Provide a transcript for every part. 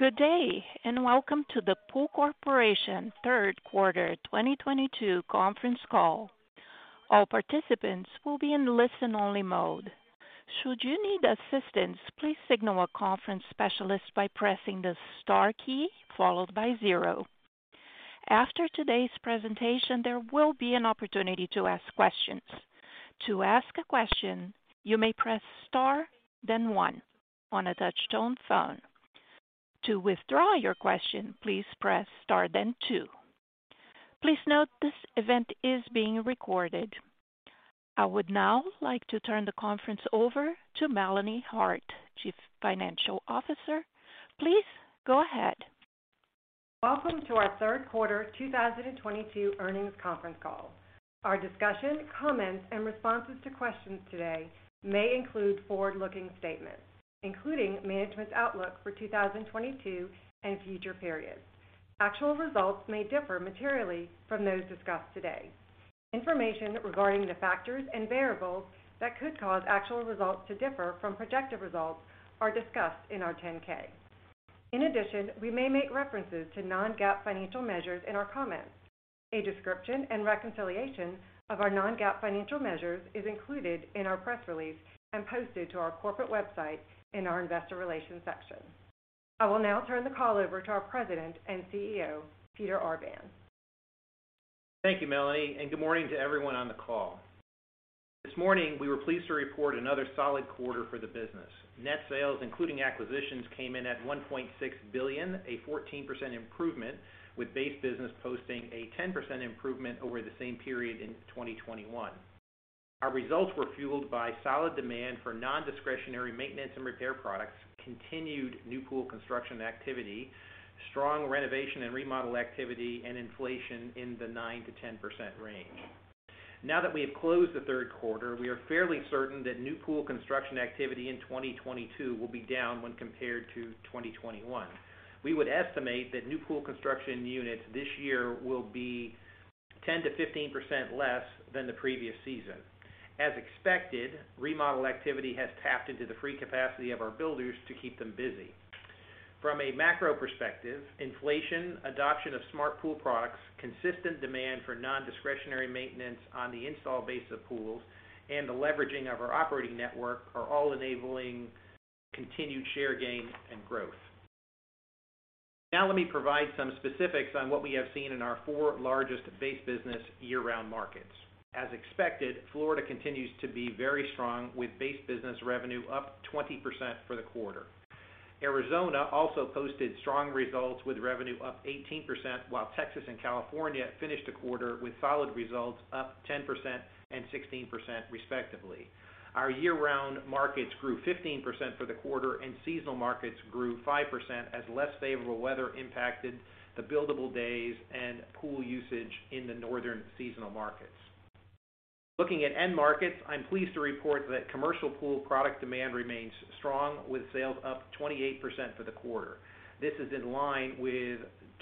Good day, and welcome to the PoolCorp Q3 2022 conference call. All participants will be in listen-only mode. Should you need assistance, please signal a conference specialist by pressing the Star key followed by zero. After today's presentation, there will be an opportunity to ask questions. To ask a question, you may press Star, then one on a touch-tone phone. To withdraw your question, please press Star, then two. Please note this event is being recorded. I would now like to turn the conference over to Melanie Hart, Chief Financial Officer. Please go ahead. Welcome to our Q3 2022 earnings conference call. Our discussion, comments, and responses to questions today may include forward-looking statements, including management's outlook for 2022 and future periods. Actual results may differ materially from those discussed today. Information regarding the factors and variables that could cause actual results to differ from projected results are discussed in our 10-K. In addition, we may make references to non-GAAP financial measures in our comments. A description and reconciliation of our non-GAAP financial measures is included in our press release and posted to our corporate website in our investor relations section. I will now turn the call over to our President and CEO, Peter Arvan. Thank you, Melanie, and good morning to everyone on the call. This morning, we were pleased to report another solid quarter for the business. Net sales, including acquisitions, came in at $1.6 billion, a 14% improvement, with base business posting a 10% improvement over the same period in 2021. Our results were fueled by solid demand for non-discretionary maintenance and repair products, continued new pool construction activity, strong renovation and remodel activity, and inflation in the 9%-10% range. Now that we have closed the Q3, we are fairly certain that new pool construction activity in 2022 will be down when compared to 2021. We would estimate that new pool construction units this year will be 10%-15% less than the previous season. As expected, remodel activity has tapped into the free capacity of our builders to keep them busy. From a macro perspective, inflation, adoption of smart pool products, consistent demand for non-discretionary maintenance on the install base of pools, and the leveraging of our operating network are all enabling continued share gain and growth. Now let me provide some specifics on what we have seen in our four largest base business year-round markets. As expected, Florida continues to be very strong with base business revenue up 20% for the quarter. Arizona also posted strong results, with revenue up 18%, while Texas and California finished the quarter with solid results, up 10% and 16% respectively. Our year-round markets grew 15% for the quarter, and seasonal markets grew 5% as less favorable weather impacted the buildable days and pool usage in the northern seasonal markets. Looking at end markets, I'm pleased to report that commercial pool product demand remains strong, with sales up 28% for the quarter. This is in line with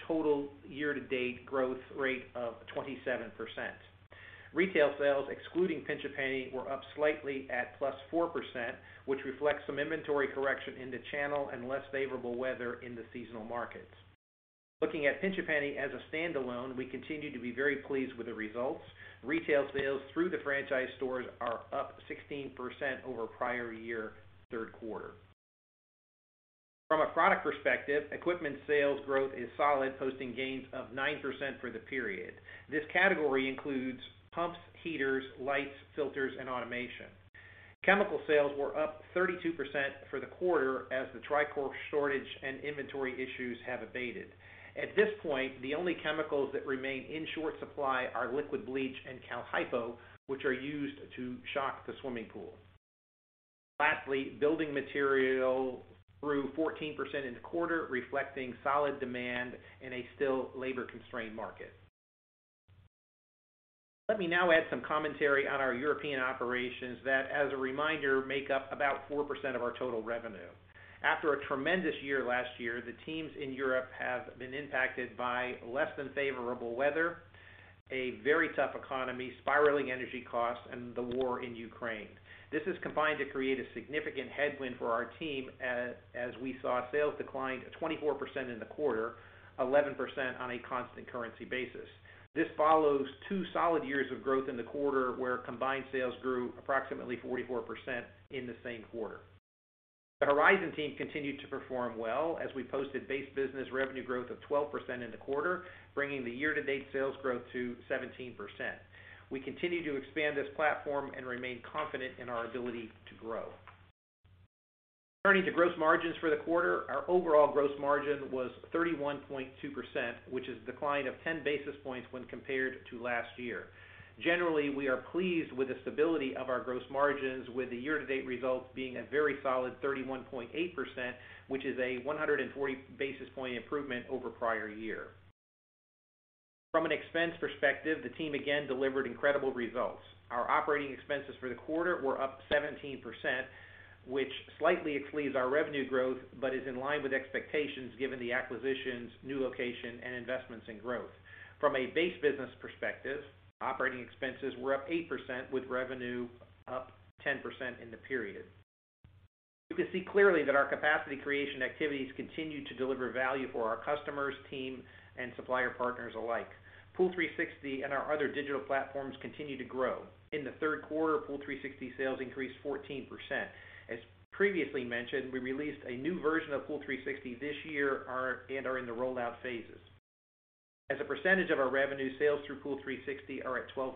total year-to-date growth rate of 27%. Retail sales, excluding Pinch A Penny, were up slightly at +4%, which reflects some inventory correction in the channel and less favorable weather in the seasonal markets. Looking at Pinch A Penny as a standalone, we continue to be very pleased with the results. Retail sales through the franchise stores are up 16% over prior year Q3. From a product perspective, equipment sales growth is solid, posting gains of 9% for the period. This category includes pumps, heaters, lights, filters, and automation. Chemical sales were up 32% for the quarter as the Trichlor shortage and inventory issues have abated. At this point, the only chemicals that remain in short supply are liquid bleach and Cal Hypo, which are used to shock the swimming pool. Lastly, building material through 14% in the quarter, reflecting solid demand in a still labor-constrained market. Let me now add some commentary on our European operations that, as a reminder, make up about 4% of our total revenue. After a tremendous year last year, the teams in Europe have been impacted by less than favorable weather, a very tough economy, spiraling energy costs, and the war in Ukraine. This has combined to create a significant headwind for our team as we saw sales decline 24% in the quarter, 11% on a constant currency basis. This follows two solid years of growth in the quarter, where combined sales grew approximately 44% in the same quarter. The Horizon team continued to perform well as we posted base business revenue growth of 12% in the quarter, bringing the year-to-date sales growth to 17%. We continue to expand this platform and remain confident in our ability to grow. Turning to gross margins for the quarter. Our overall gross margin was 31.2%, which is a decline of 10 basis points when compared to last year. Generally, we are pleased with the stability of our gross margins with the year-to-date results being a very solid 31.8%, which is a 140 basis point improvement over prior year. From an expense perspective, the team again delivered incredible results. Our operating expenses for the quarter were up 17%, which slightly exceeds our revenue growth, but is in line with expectations given the acquisitions, new location, and investments in growth. From a base business perspective, operating expenses were up 8%, with revenue up 10% in the period. You can see clearly that our capacity creation activities continue to deliver value for our customers, team, and supplier partners alike. Pool360 and our other digital platforms continue to grow. In the Q3, Pool360 sales increased 14%. As previously mentioned, we released a new version of Pool360 this year and are in the rollout phases. As a percentage of our revenue, sales through Pool360 are at 12%.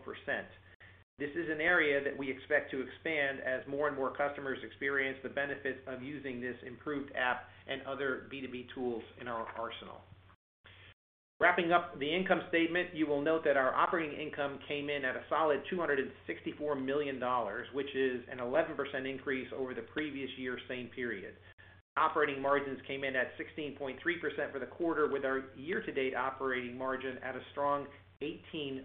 This is an area that we expect to expand as more and more customers experience the benefits of using this improved app and other B2B tools in our arsenal. Wrapping up the income statement, you will note that our operating income came in at a solid $264 million, which is an 11% increase over the previous year's same period. Operating margins came in at 16.3% for the quarter, with our year-to-date operating margin at a strong 18.1%.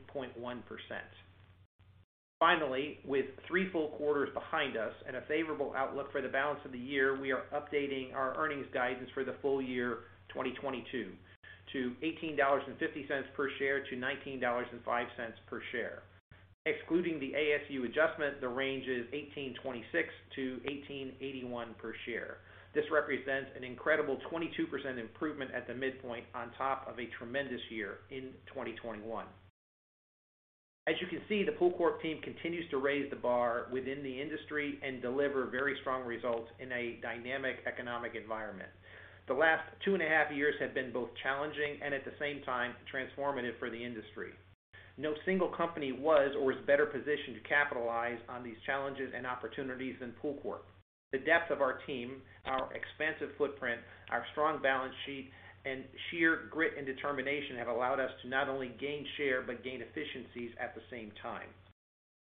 Finally, with three full quarters behind us and a favorable outlook for the balance of the year, we are updating our earnings guidance for the full year 2022 to $18.50 per share-$19.05 per share. Excluding the ASU adjustment, the range is $18.26-$18.81 per share. This represents an incredible 22% improvement at the midpoint on top of a tremendous year in 2021. As you can see, the PoolCorp team continues to raise the bar within the industry and deliver very strong results in a dynamic economic environment. The last two and a half years have been both challenging and at the same time transformative for the industry. No single company was or is better positioned to capitalize on these challenges and opportunities than PoolCorp. The depth of our team, our expansive footprint, our strong balance sheet, and sheer grit and determination have allowed us to not only gain share but gain efficiencies at the same time.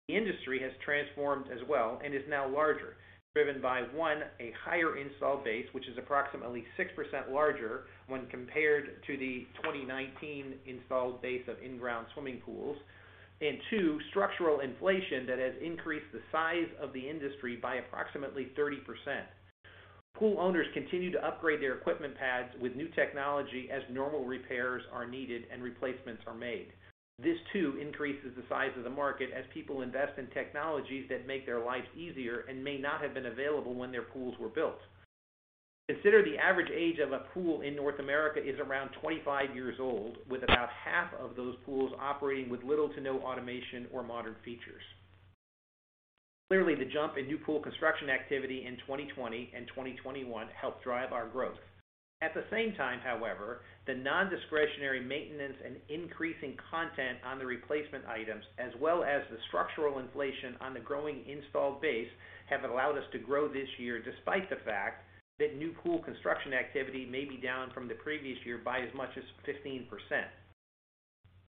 The industry has transformed as well and is now larger, driven by, one, a higher install base, which is approximately 6% larger when compared to the 2019 installed base of in-ground swimming pools. Two, structural inflation that has increased the size of the industry by approximately 30%. Pool owners continue to upgrade their equipment pads with new technology as normal repairs are needed and replacements are made. This too increases the size of the market as people invest in technologies that make their lives easier and may not have been available when their pools were built. Consider the average age of a pool in North America is around 25 years old, with about half of those pools operating with little to no automation or modern features. Clearly, the jump in new pool construction activity in 2020 and 2021 helped drive our growth. At the same time, however, the non-discretionary maintenance and increasing spend on the replacement items as well as the structural inflation on the growing installed base have allowed us to grow this year despite the fact that new pool construction activity may be down from the previous year by as much as 15%.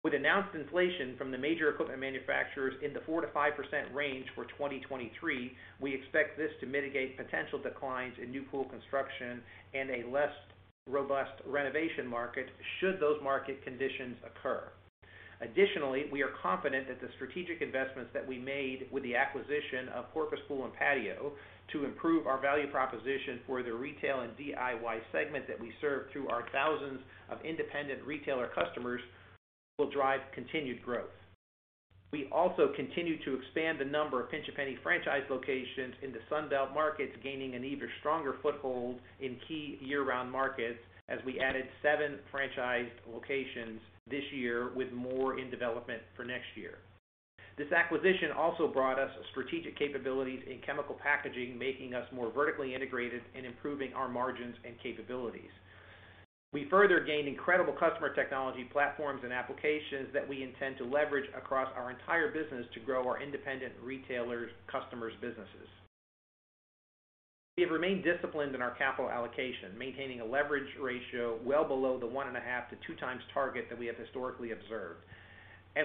With announced inflation from the major equipment manufacturers in the 4%-5% range for 2023, we expect this to mitigate potential declines in new pool construction and a less robust renovation market should those market conditions occur. Additionally, we are confident that the strategic investments that we made with the acquisition of Corpus Pool & Patio to improve our value proposition for the retail and DIY segment that we serve through our thousands of independent retailer customers will drive continued growth. We also continue to expand the number of Pinch A Penny franchise locations in the Sun Belt markets, gaining an even stronger foothold in key year-round markets as we added 7 franchised locations this year with more in development for next year. This acquisition also brought us strategic capabilities in chemical packaging, making us more vertically integrated and improving our margins and capabilities. We further gained incredible customer technology platforms and applications that we intend to leverage across our entire business to grow our independent retailers' customers' businesses. We have remained disciplined in our capital allocation, maintaining a leverage ratio well below the 1.5-2x target that we have historically observed.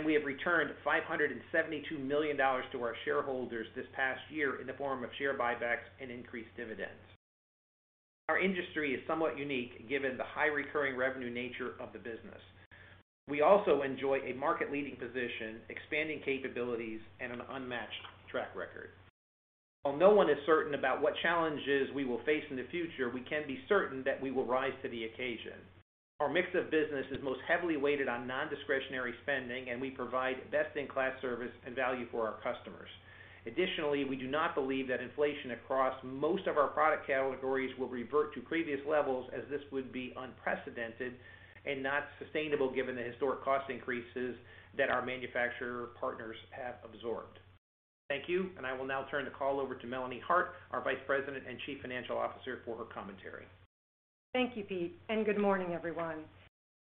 We have returned $572 million to our shareholders this past year in the form of share buybacks and increased dividends. Our industry is somewhat unique given the high recurring revenue nature of the business. We also enjoy a market-leading position, expanding capabilities, and an unmatched track record. While no one is certain about what challenges we will face in the future, we can be certain that we will rise to the occasion. Our mix of business is most heavily weighted on non-discretionary spending, and we provide best-in-class service and value for our customers. Additionally, we do not believe that inflation across most of our product categories will revert to previous levels as this would be unprecedented and not sustainable given the historic cost increases that our manufacturer partners have absorbed. Thank you, and I will now turn the call over to Melanie Hart, our Vice President and Chief Financial Officer, for her commentary. Thank you, Peter, and good morning, everyone.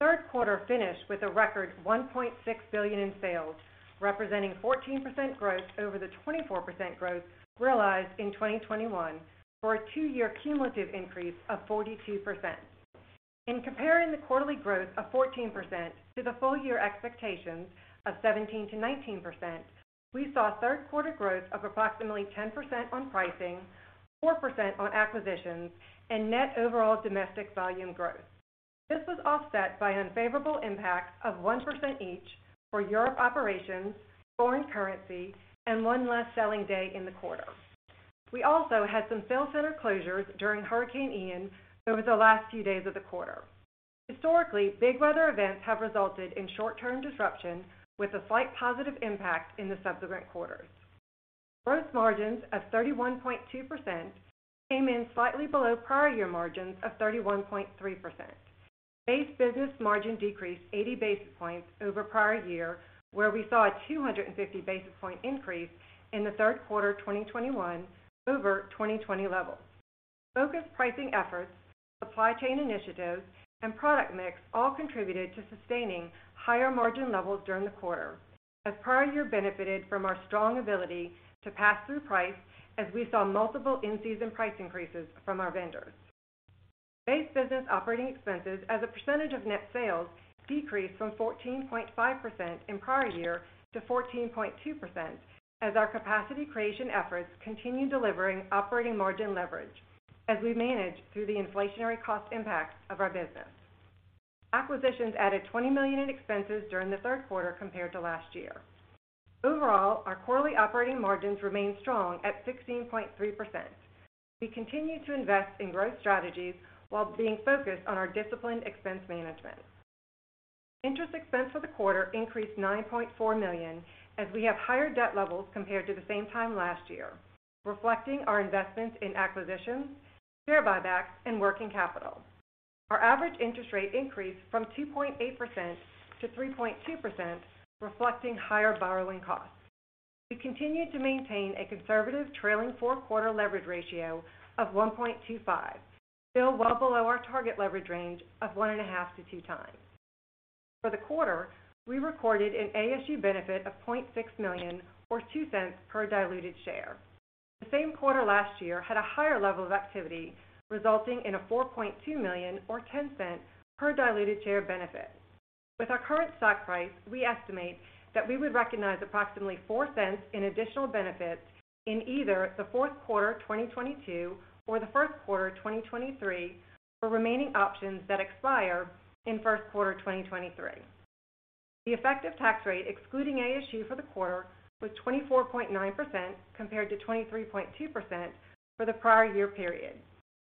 Q3 finished with a record $1.6 billion in sales, representing 14% growth over the 24% growth realized in 2021 for a two-year cumulative increase of 42%. In comparing the quarterly growth of 14% to the full year expectations of 17%-19%, we saw Q3 growth of approximately 10% on pricing, 4% on acquisitions, and net overall domestic volume growth. This was offset by unfavorable impacts of 1% each for Europe operations, foreign currency, and one less selling day in the quarter. We also had some sales center closures during Hurricane Ian over the last few days of the quarter. Historically, big weather events have resulted in short-term disruptions with a slight positive impact in the subsequent quarters. Gross margins of 31.2% came in slightly below prior year margins of 31.3%. Base business margin decreased 80 basis points over prior year where we saw a 250 basis point increase in the Q3 2021 over 2020 levels. Focused pricing efforts, supply chain initiatives, and product mix all contributed to sustaining higher margin levels during the quarter as prior year benefited from our strong ability to pass through price as we saw multiple in-season price increases from our vendors. Base business operating expenses as a percentage of net sales decreased from 14.5% in prior year to 14.2% as our capacity creation efforts continue delivering operating margin leverage as we manage through the inflationary cost impacts of our business. Acquisitions added $20 million in expenses during the Q3 compared to last year. Overall, our quarterly operating margins remain strong at 16.3%. We continue to invest in growth strategies while being focused on our disciplined expense management. Interest expense for the quarter increased $9.4 million as we have higher debt levels compared to the same time last year, reflecting our investments in acquisitions, share buybacks and working capital. Our average interest rate increased from 2.8% to 3.2%, reflecting higher borrowing costs. We continue to maintain a conservative trailing four quarter leverage ratio of 1.25, still well below our target leverage range of 1.5-2 times. For the quarter, we recorded an ASU benefit of $0.6 million or $0.02 per diluted share. The same quarter last year had a higher level of activity, resulting in a $4.2 million or $0.10 per diluted share benefit. With our current stock price, we estimate that we would recognize approximately $0.04 in additional benefits in either the Q4 2022 or the Q1 2023 for remaining options that expire in Q1 2023. The effective tax rate excluding ASU for the quarter was 24.9% compared to 23.2% for the prior year period,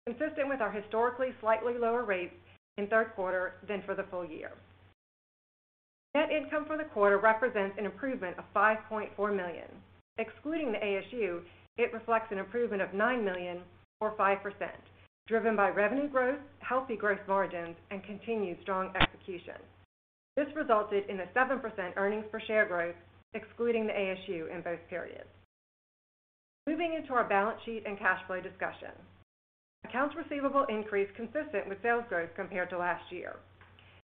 consistent with our historically slightly lower rates in Q3 than for the full year. Net income for the quarter represents an improvement of $5.4 million. Excluding the ASU, it reflects an improvement of $9 million or 5%, driven by revenue growth, healthy growth margins and continued strong execution. This resulted in a 7% earnings per share growth excluding the ASU in both periods. Moving into our balance sheet and cash flow discussion. Accounts receivable increased consistent with sales growth compared to last year.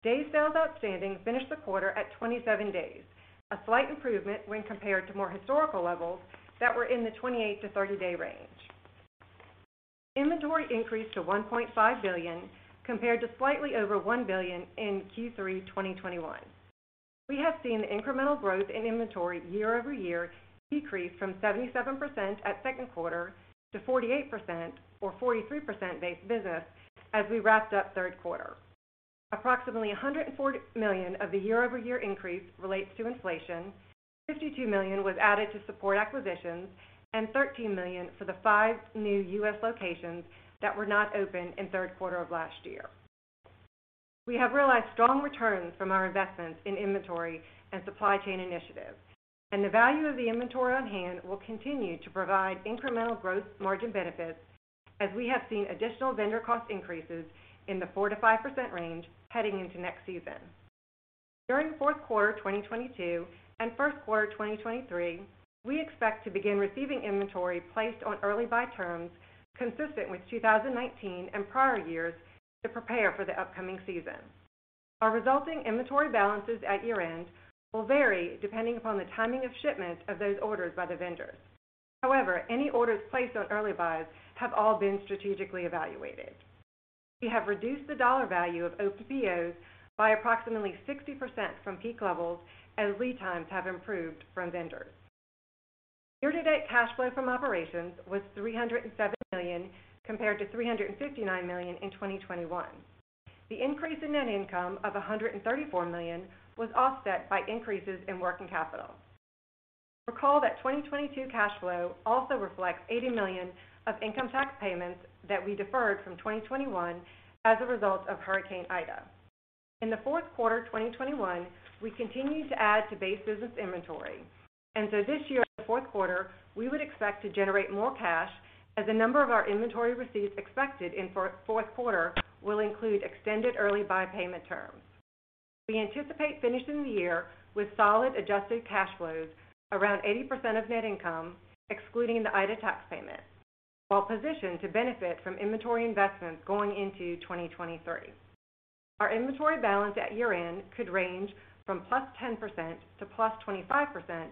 Day sales outstanding finished the quarter at 27 days, a slight improvement when compared to more historical levels that were in the 28-30-day range. Inventory increased to $1.5 billion, compared to slightly over $1 billion in Q3 2021. We have seen the incremental growth in inventory year-over-year decrease from 77% at second quarter to 48% or 43% base business as we wrapped up Q3. Approximately $140 million of the year-over-year increase relates to inflation, $52 million was added to support acquisitions and $13 million for the 5 new U.S. locations that were not open in Q3 of last year. We have realized strong returns from our investments in inventory and supply chain initiatives, and the value of the inventory on hand will continue to provide incremental growth margin benefits as we have seen additional vendor cost increases in the 4%-5% range heading into next season. During Q4 2022 and Q1 2023, we expect to begin receiving inventory placed on early buy terms consistent with 2019 and prior years to prepare for the upcoming season. Our resulting inventory balances at year-end will vary depending upon the timing of shipments of those orders by the vendors. However, any orders placed on early buys have all been strategically evaluated. We have reduced the dollar value of open POs by approximately 60% from peak levels as lead times have improved from vendors. Year to date cash flow from operations was $307 million compared to $359 million in 2021. The increase in net income of $134 million was offset by increases in working capital. Recall that 2022 cash flow also reflects $80 million of income tax payments that we deferred from 2021 as a result of Hurricane Ida. In the Q4 2021, we continued to add to base business inventory, and so this year in the Q4, we would expect to generate more cash as a number of our inventory receipts expected in Q4 will include extended early buy payment terms. We anticipate finishing the year with solid adjusted cash flows around 80% of net income, excluding the Hurricane Ida tax payment, while positioned to benefit from inventory investments going into 2023. Our inventory balance at year-end could range from +10% to +25%,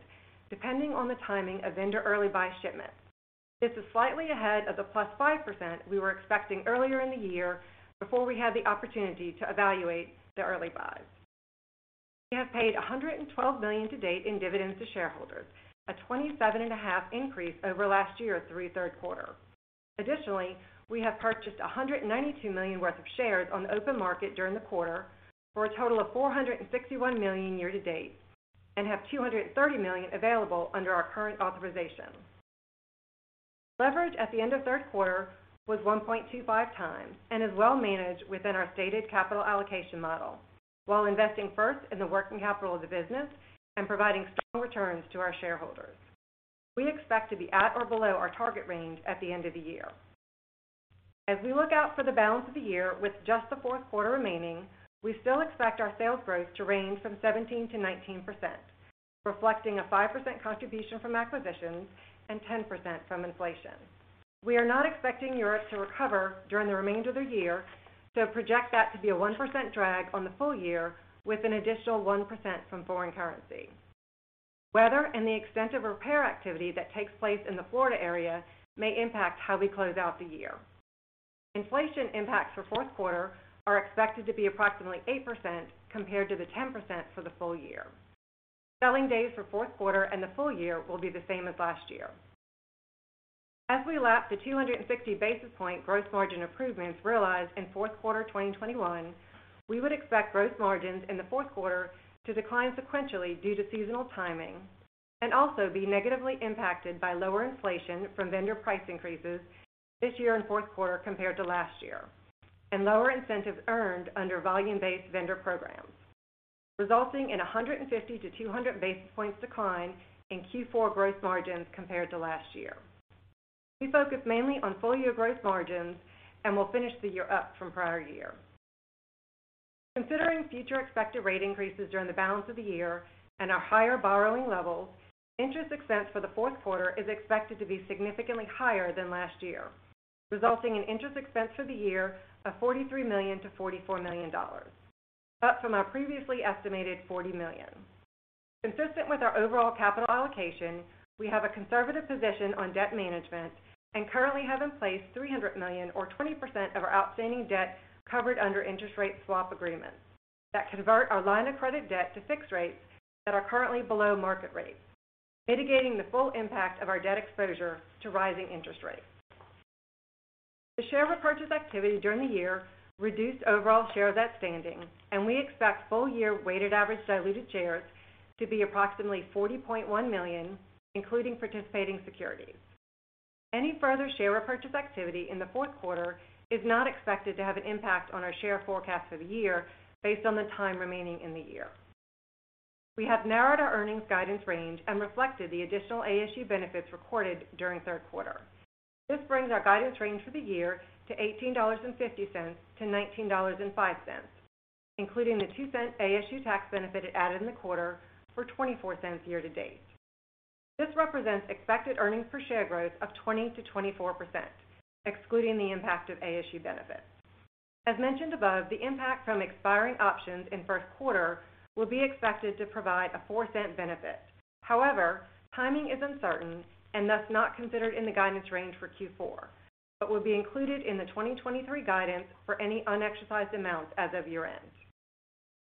depending on the timing of vendor early buy shipments. This is slightly ahead of the +5% we were expecting earlier in the year before we had the opportunity to evaluate the early buys. We have paid $112 million to date in dividends to shareholders, a 27.5% increase over last year through Q3. Additionally, we have purchased $192 million worth of shares on the open market during the quarter for a total of $461 million year to date and have $230 million available under our current authorization. Leverage at the end of Q3 was 1.25 times and is well managed within our stated capital allocation model while investing first in the working capital of the business and providing strong returns to our shareholders. We expect to be at or below our target range at the end of the year. As we look out for the balance of the year with just the Q4 remaining, we still expect our sales growth to range from 17%-19%, reflecting a 5% contribution from acquisitions and 10% from inflation. We are not expecting Europe to recover during the remainder of the year, so project that to be a 1% drag on the full year with an additional 1% from foreign currency. Weather and the extent of repair activity that takes place in the Florida area may impact how we close out the year. Inflation impacts for Q4 are expected to be approximately 8% compared to the 10% for the full year. Selling days for Q4 and the full year will be the same as last year. As we lap the 260 basis point gross margin improvements realized in Q4 2021, we would expect gross margins in the Q4 to decline sequentially due to seasonal timing and also be negatively impacted by lower inflation from vendor price increases this year in Q4 compared to last year and lower incentives earned under volume-based vendor programs, resulting in a 150-200 basis points decline in Q4 gross margins compared to last year. We focus mainly on full year gross margins and will finish the year up from prior year. Considering future expected rate increases during the balance of the year and our higher borrowing levels, interest expense for the Q4 is expected to be significantly higher than last year, resulting in interest expense for the year of $43 million-$44 million, up from our previously estimated $40 million. Consistent with our overall capital allocation, we have a conservative position on debt management and currently have in place $300 million or 20% of our outstanding debt covered under interest rate swap agreements that convert our line of credit debt to fixed rates that are currently below market rates, mitigating the full impact of our debt exposure to rising interest rates. The share repurchase activity during the year reduced overall shares outstanding, and we expect full year weighted average diluted shares to be approximately 40.1 million, including participating securities. Any further share repurchase activity in the Q4 is not expected to have an impact on our share forecast for the year based on the time remaining in the year. We have narrowed our earnings guidance range and reflected the additional ASU benefits recorded during Q3. This brings our guidance range for the year to $18.50-$19.05, including the 2-cent ASU tax benefit it added in the quarter for 24 cents year to date. This represents expected earnings per share growth of 20%-24%, excluding the impact of ASU benefits. As mentioned above, the impact from expiring options in Q1 will be expected to provide a 4-cent benefit. However, timing is uncertain and thus not considered in the guidance range for Q4, but will be included in the 2023 guidance for any unexercised amounts as of year-end.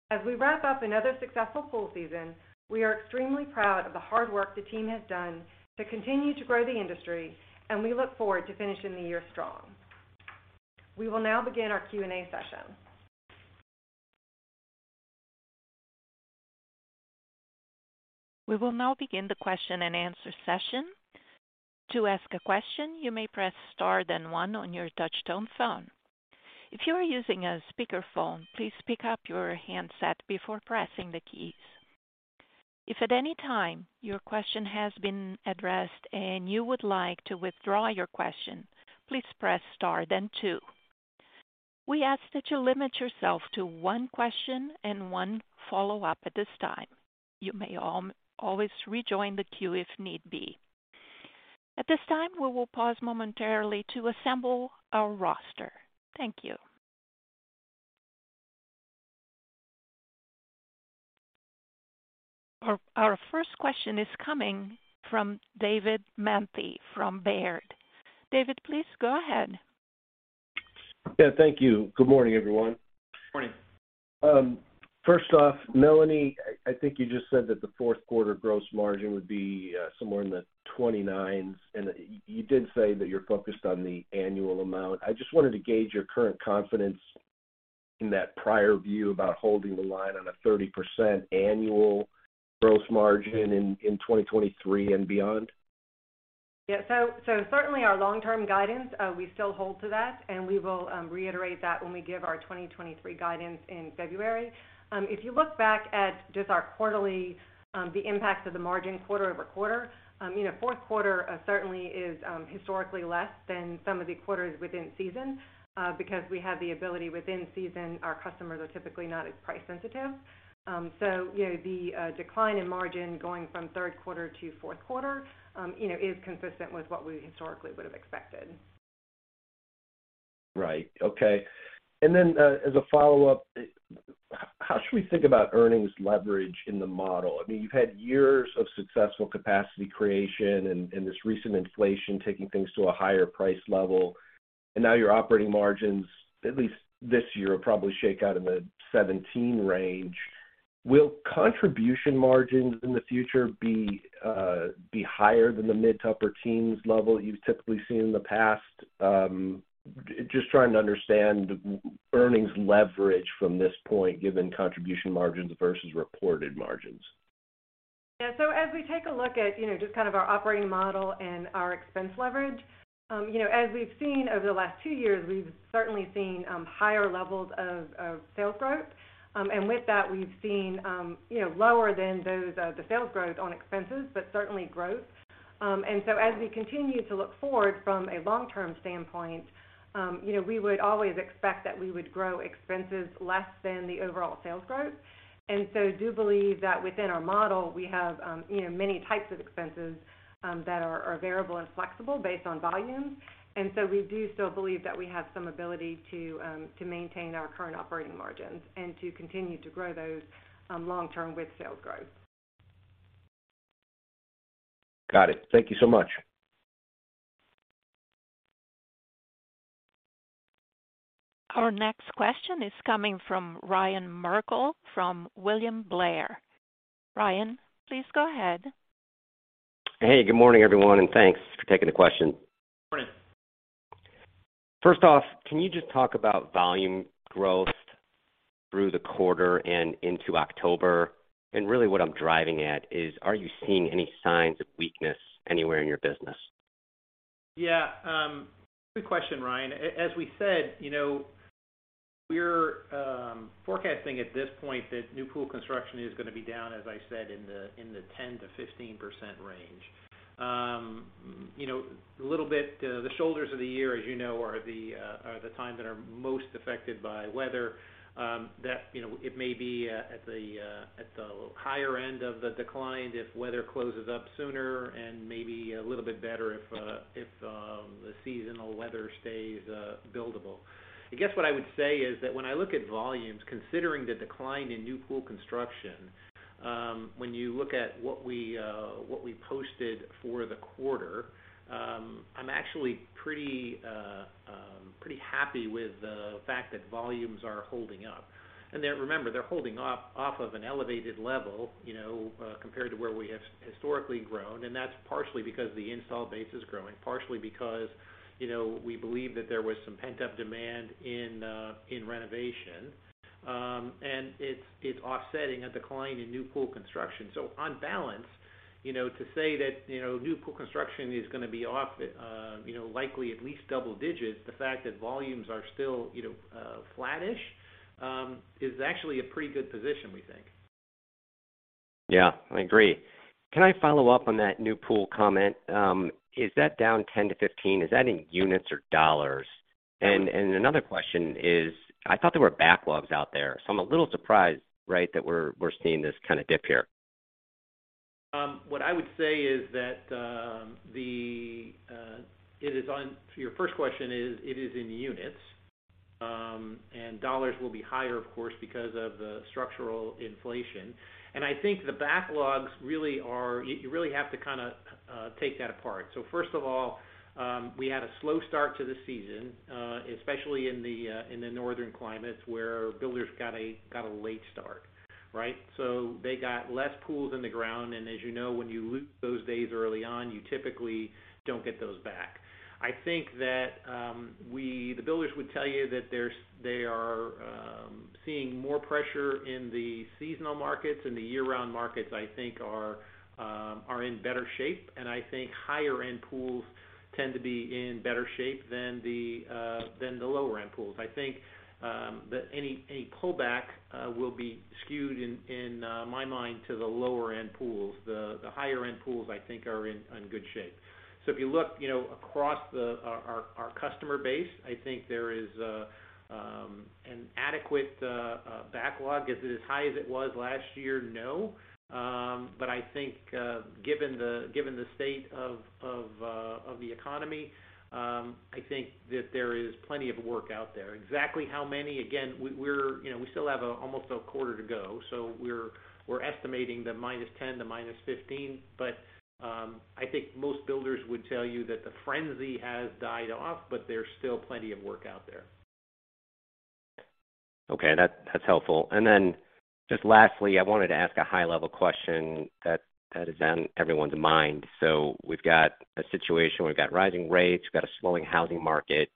As we wrap up another successful pool season, we are extremely proud of the hard work the team has done to continue to grow the industry, and we look forward to finishing the year strong. We will now begin our Q&A session. We will now begin the question and answer session. To ask a question, you may press star then one on your touchtone phone. If you are using a speakerphone, please pick up your handset before pressing the keys. If at any time your question has been addressed and you would like to withdraw your question, please press star then two. We ask that you limit yourself to one question and one follow-up at this time. You may always rejoin the queue if need be. At this time, we will pause momentarily to assemble our roster. Thank you. Our first question is coming from David Manthey from Baird. David, please go ahead. Yeah, thank you. Good morning, everyone. Morning. First off, Melanie, I think you just said that the Q4 gross margin would be somewhere in the 20s%, and you did say that you're focused on the annual amount. I just wanted to gauge your current confidence in that prior view about holding the line on a 30% annual gross margin in 2023 and beyond. Yeah. Certainly our long-term guidance, we still hold to that, and we will reiterate that when we give our 2023 guidance in February. If you look back at just our quarterly, the impacts of the margin quarter-over- quarter, you know, Q4 certainly is historically less than some of the quarters within season, because we have the ability within season, our customers are typically not as price sensitive. You know, the decline in margin going from Q3 to Q4, you know, is consistent with what we historically would have expected. Right. Okay. Then, as a follow-up, how should we think about earnings leverage in the model? I mean, you've had years of successful capacity creation and this recent inflation taking things to a higher price level, and now your operating margins, at least this year, will probably shake out in the 17% range. Will contribution margins in the future be higher than the mid- to upper-teens level you've typically seen in the past? Just trying to understand earnings leverage from this point, given contribution margins versus reported margins. Yeah. As we take a look at, you know, just kind of our operating model and our expense leverage, you know, as we have seen over the last two years, we have certainly seen higher levels of sales growth. With that, we hve seen, you know, lower than those, the sales growth on expenses, but certainly growth. As we continue to look forward from a long-term standpoint, you know, we would always expect that we would grow expenses less than the overall sales growth. Do believe that within our model, we have, you know, many types of expenses that are variable and flexible based on volumes. We do still believe that we have some ability to maintain our current operating margins and to continue to grow those long-term with sales growth. Got it. Thank you so much. Our next question is coming from Ryan Merkel from William Blair. Ryan, please go ahead. Hey, good morning, everyone, and thanks for taking the question. Morning. First off, can you just talk about volume growth through the quarter and into October? Really what I'm driving at is, are you seeing any signs of weakness anywhere in your business? Yeah. Good question, Ryan. As we said, you know, we are forecasting at this point that new pool construction is gonna be down, as I said, in the 10%-15% range. You know, a little bit, the shoulders of the year, as you know, are the times that are most affected by weather, that, you know, it may be at the higher end of the decline if weather closes up sooner and maybe a little bit better if the seasonal weather stays buildable. I guess what I would say is that when I look at volumes, considering the decline in new pool construction, when you look at what we posted for the quarter, I'm actually pretty happy with the fact that volumes are holding up. They're, remember, they're holding up off of an elevated level, you know, compared to where we have historically grown, and that's partially because the install base is growing, partially because, you know, we believe that there was some pent-up demand in renovation. It's offsetting a decline in new pool construction. On balance, you know, to say that, you know, new pool construction is gonna be off, you know, likely at least double digits, the fact that volumes are still, you know, flattish, is actually a pretty good position, we think. Yeah. I agree. Can I follow up on that new pool comment? Is that down 10-15? Is that in units or dollars? Another question is, I thought there were backlogs out there, so I'm a little surprised, right, that we're seeing this kind of dip here. What I would say is that to your first question, it is in units. Dollars will be higher, of course, because of the structural inflation. And I think the backlogs really are, you really have to kinda take that apart. First of all, we had a slow start to the season, especially in the northern climates where builders got a late start, right? They got less pools in the ground. As you know, when you lose those days early on, you typically don't get those back. I think that the builders would tell you that they are seeing more pressure in the seasonal markets and the year-round markets are in better shape. I think higher-end pools tend to be in better shape than the lower-end pools. I think that any pullback will be skewed in my mind to the lower-end pools. The higher-end pools, I think are in good shape. If you look, you know, across our customer base, I think there is an adequate backlog. Is it as high as it was last year? No. But I think, given the state of the economy, I think that there is plenty of work out there. Exactly how many, again, you know, we still have almost a quarter to go, so we're estimating -10% to -15%. I think most builders would tell you that the frenzy has died off, but there's still plenty of work out there. Okay. That's helpful. Just lastly, I wanted to ask a high-level question that is on everyone's mind. We have got a situation. We have got rising rates. We have got a swelling housing market.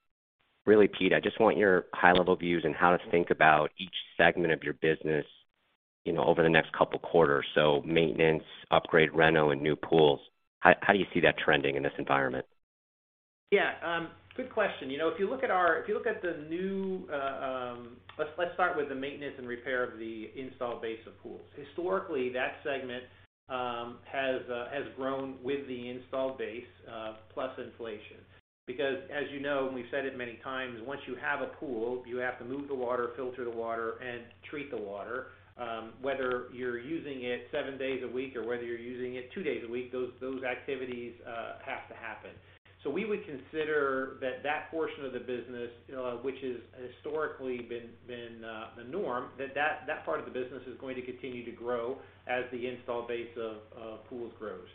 Really, Peter, I just want your high-level views on how to think about each segment of your business, you know, over the next couple quarters. Maintenance, upgrade, reno, and new pools. How do you see that trending in this environment? Yeah. Good question. You know, let's start with the maintenance and repair of the install base of pools. Historically, that segment has grown with the install base plus inflation. Because as you know, and we have said it many times, once you have a pool, you have to move the water, filter the water, and treat the water. Whether you're using it seven days a week or whether you're using it two days a week, those activities have to happen. We would consider that portion of the business, which is historically been the norm, that part of the business is going to continue to grow as the install base of pools grows.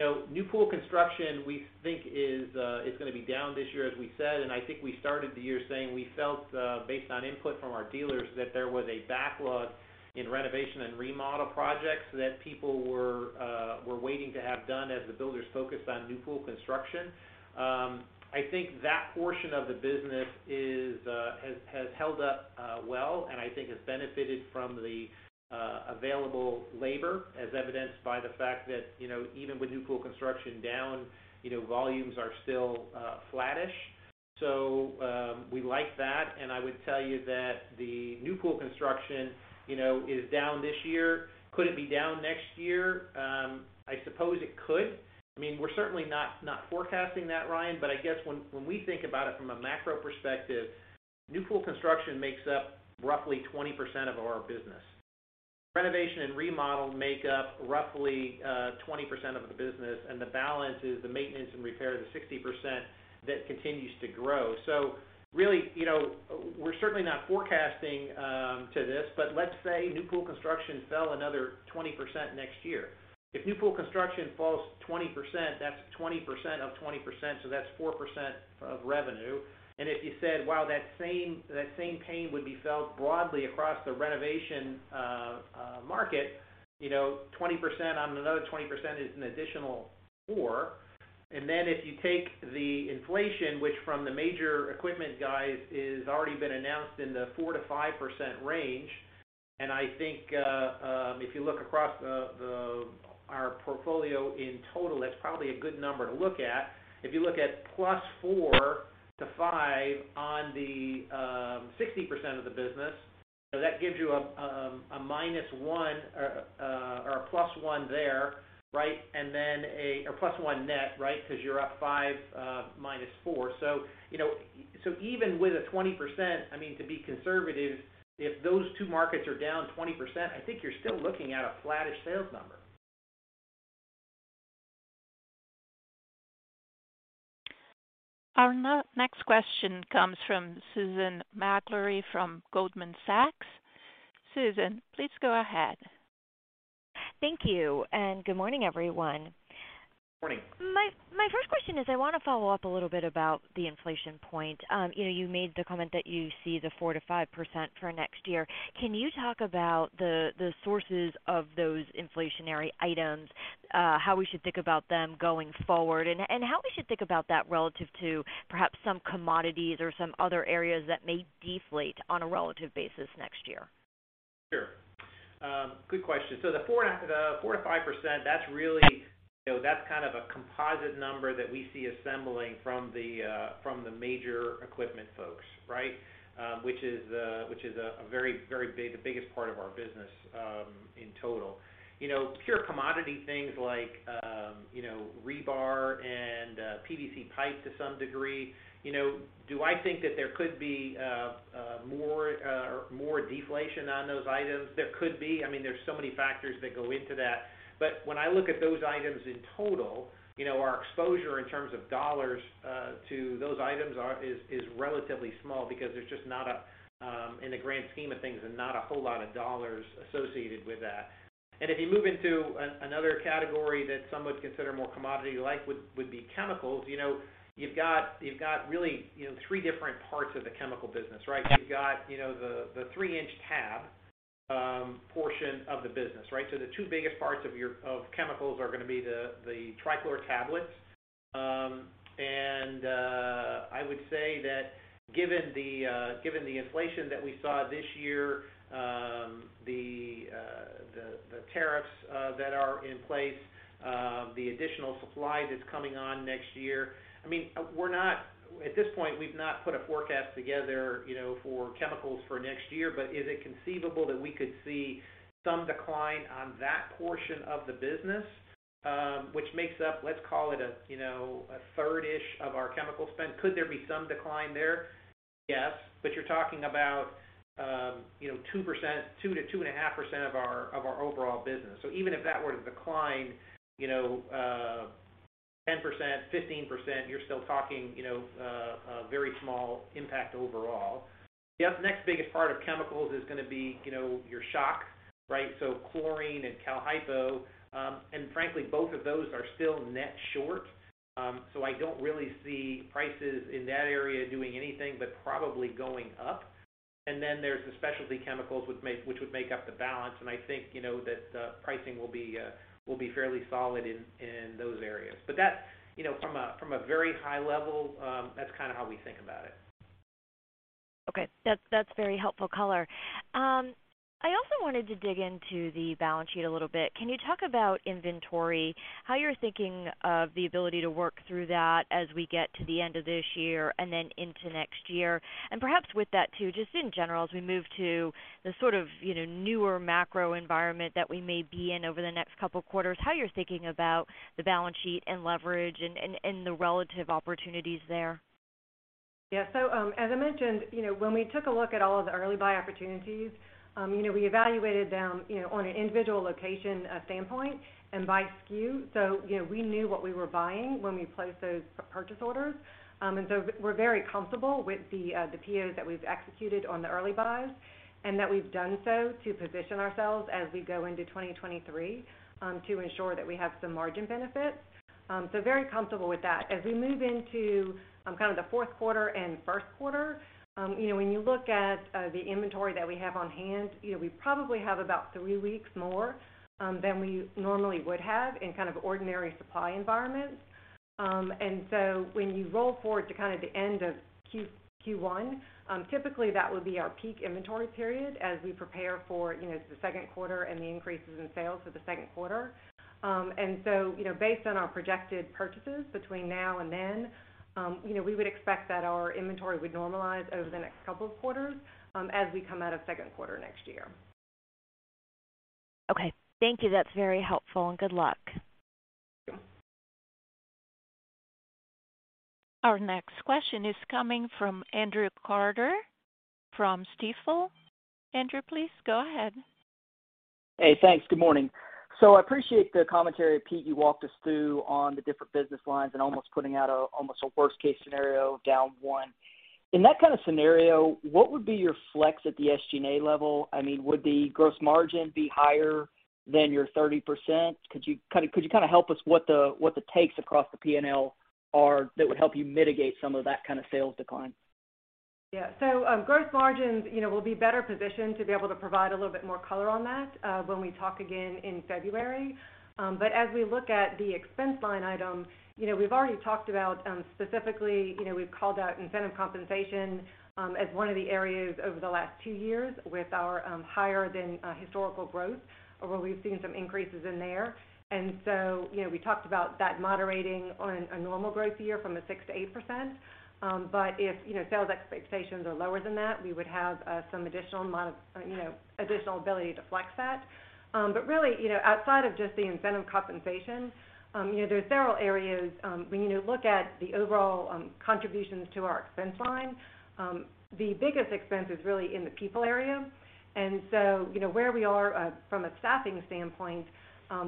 You know, new pool construction, we think is gonna be down this year, as we said, and I think we started the year saying we felt, based on input from our dealers, that there was a backlog in renovation and remodel projects that people were waiting to have done as the builders focused on new pool construction. I think that portion of the business has held up well, and I think has benefited from the available labor as evidenced by the fact that, you know, even with new pool construction down, you know, volumes are still flattish. We like that. I would tell you that the new pool construction, you know, is down this year. Could it be down next year? I suppose it could. I mean, we're certainly not forecasting that, Ryan. I guess when we think about it from a macro perspective, new pool construction makes up roughly 20% of our business. Renovation and remodel make up roughly 20% of the business, and the balance is the maintenance and repair, the 60% that continues to grow. Really, you know, we're certainly not forecasting to this, but let's say new pool construction fell another 20% next year. If new pool construction falls 20%, that's 20% of 20%, so that's 4% of revenue. If you said, wow, that same pain would be felt broadly across the renovation market, you know, 20% on another 20% is an additional four. If you take the inflation, which from the major equipment guys is already been announced in the 4%-5% range, and I think if you look across our portfolio in total, that's probably a good number to look at. If you look at +4%-5% on the 60% of the business, that gives you a minus one or a plus one there, right? Or plus one net, right? 'Cause you're up 5 minus 4. You know, even with a 20%, I mean, to be conservative, if those two markets are down 20%, I think you're still looking at a flattish sales number. Our next question comes from Susan Maklari from Goldman Sachs. Susan, please go ahead. Thank you, and good morning, everyone. Morning. My first question is, I wanna follow up a little bit about the inflation point. You know, you made the comment that you see the 4%-5% for next year. Can you talk about the sources of those inflationary items, how we should think about them going forward? How we should think about that relative to perhaps some commodities or some other areas that may deflate on a relative basis next year? Sure. Good question. The 4%-5%, that's really, you know, that's kind of a composite number that we see assembling from the, from the major equipment folks, right? Which is a very big, the biggest part of our business, in total. You know, pure commodity things like, you know, rebar and, PVC pipe to some degree. You know, do I think that there could be, more deflation on those items? There could be. I mean, there's so many factors that go into that. When I look at those items in total, you know, our exposure in terms of dollars to those items is relatively small because in the grand scheme of things, there's not a whole lot of dollars associated with that. If you move into another category that some would consider more commodity-like, would be chemicals. You know, you've got really, you know, three different parts of the chemical business, right? You've got the three-inch tab portion of the business, right? So the two biggest parts of chemicals are gonna be the Trichlor tablets. And I would say that given the inflation that we saw this year, the tariffs that are in place, the additional supply that's coming on next year. I mean, at this point, we've not put a forecast together, you know, for chemicals for next year. Is it conceivable that we could see some decline on that portion of the business, which makes up, let's call it a, you know, a third-ish of our chemical spend? Could there be some decline there? Yes. You're talking about, you know, 2%, 2%-2.5% of our overall business. Even if that were to decline, you know, 10%, 15%, you are still talking, you know, a very small impact overall. The next biggest part of chemicals is gonna be, you know, your shock, right? So chlorine and Cal Hypo, and frankly, both of those are still net short. I don't really see prices in that area doing anything but probably going up. Then there's the specialty chemicals which would make up the balance. I think, you know, that pricing will be fairly solid in those areas. That's, you know, from a very high level, that's kinda how we think about it. Okay. That's very helpful color. I also wanted to dig into the balance sheet a little bit. Can you talk about inventory, how you are thinking of the ability to work through that as we get to the end of this year and then into next year? Perhaps with that too, just in general, as we move to the sort of, you know, newer macro environment that we may be in over the next couple quarters, how you're thinking about the balance sheet and leverage and the relative opportunities there. Yeah. As I mentioned, you know, when we took a look at all of the early buy opportunities, you know, we evaluated them, you know, on an individual location standpoint and by SKU. You know, we knew what we were buying when we placed those purchase orders. We are very comfortable with the POs that we have executed on the early buys and that we have done so to position ourselves as we go into 2023 to ensure that we have some margin benefits. Very comfortable with that. As we move into kind of the Q4 and Q1, you know, when you look at the inventory that we have on hand, you know, we probably have about three weeks more than we normally would have in kind of ordinary supply environments. When you roll forward to kind of the end of Q1, typically that would be our peak inventory period as we prepare for, you know, the second quarter and the increases in sales for the second quarter. Based on our projected purchases between now and then, you know, we would expect that our inventory would normalize over the next couple of quarters, as we come out of second quarter next year. Okay. Thank you. That's very helpful, and good luck. Thank you. Our next question is coming from Andrew Carter from Stifel. Andrew, please go ahead. Hey, thanks. Good morning. I appreciate the commentary, Pete, you walked us through on the different business lines and almost a worst case scenario down 1. In that kind of scenario, what would be your flex at the SG&A level? I mean, would the gross margin be higher than your 30%? Could you kinda help us what the takes across the P&L are that would help you mitigate some of that kind of sales decline? Yeah. Gross margins, you know, we'll be better positioned to be able to provide a little bit more color on that, when we talk again in February. As we look at the expense line items, you know, we've already talked about, specifically, you know, we have called out incentive compensation, as one of the areas over the last two years with our, higher than, historical growth where we've seen some increases in there. We talked about that moderating on a normal growth year from 6%-8%. If, you know, sales expectations are lower than that, we would have, some additional ability to flex that. Really, you know, outside of just the incentive compensation, you know, there are several areas when you look at the overall contributions to our expense line. The biggest expense is really in the people area. You know, where we are from a staffing standpoint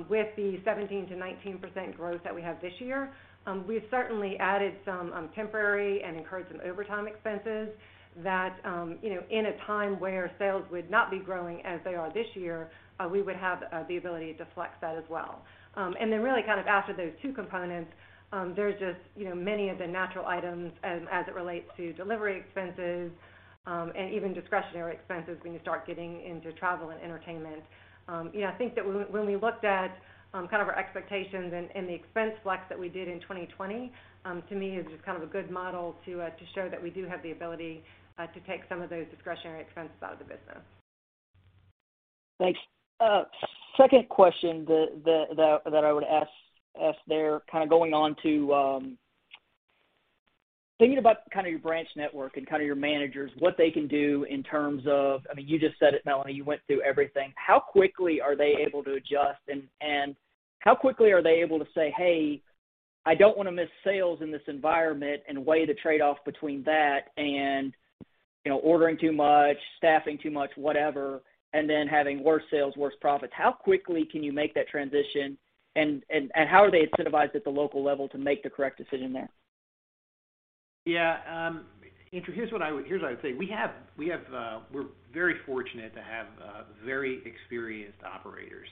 with the 17%-19% growth that we have this year, we have certainly added some temporary and incurred some overtime expenses that, you know, in a time where sales would not be growing as they are this year, we would have the ability to flex that as well. Then really kind of after those two components, there's just, you know, many of the natural items as it relates to delivery expenses and even discretionary expenses when you start getting into travel and entertainment. Yeah, I think that when we looked at kind of our expectations and the expense flex that we did in 2020, to me is just kind of a good model to show that we do have the ability to take some of those discretionary expenses out of the business. Thanks. Second question that I would ask there, kind of going on to thinking about kind of your branch network and kind of your managers, what they can do in terms of I mean, you just said it, Melanie. You went through everything. How quickly are they able to adjust? How quickly are they able to say, "Hey, I don't wanna miss sales in this environment," and weigh the trade-off between that and, you know, ordering too much, staffing too much, whatever, and then having worse sales, worse profits. How quickly can you make that transition, and how are they incentivized at the local level to make the correct decision there? Yeah, Andrew, here's what I would say. We're very fortunate to have very experienced operators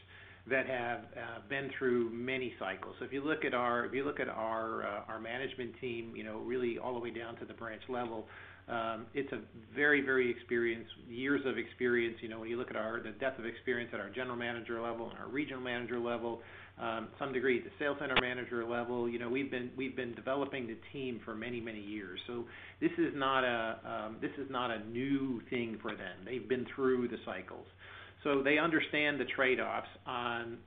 that have been through many cycles. If you look at our management team, you know, really all the way down to the branch level, it's a very experienced, years of experience. You know, when you look at the depth of experience at our general manager level and our regional manager level, some degree at the sales center manager level, you know, we have been developing the team for many years. This is not a new thing for them. They've been through the cycles, so they understand the trade-offs on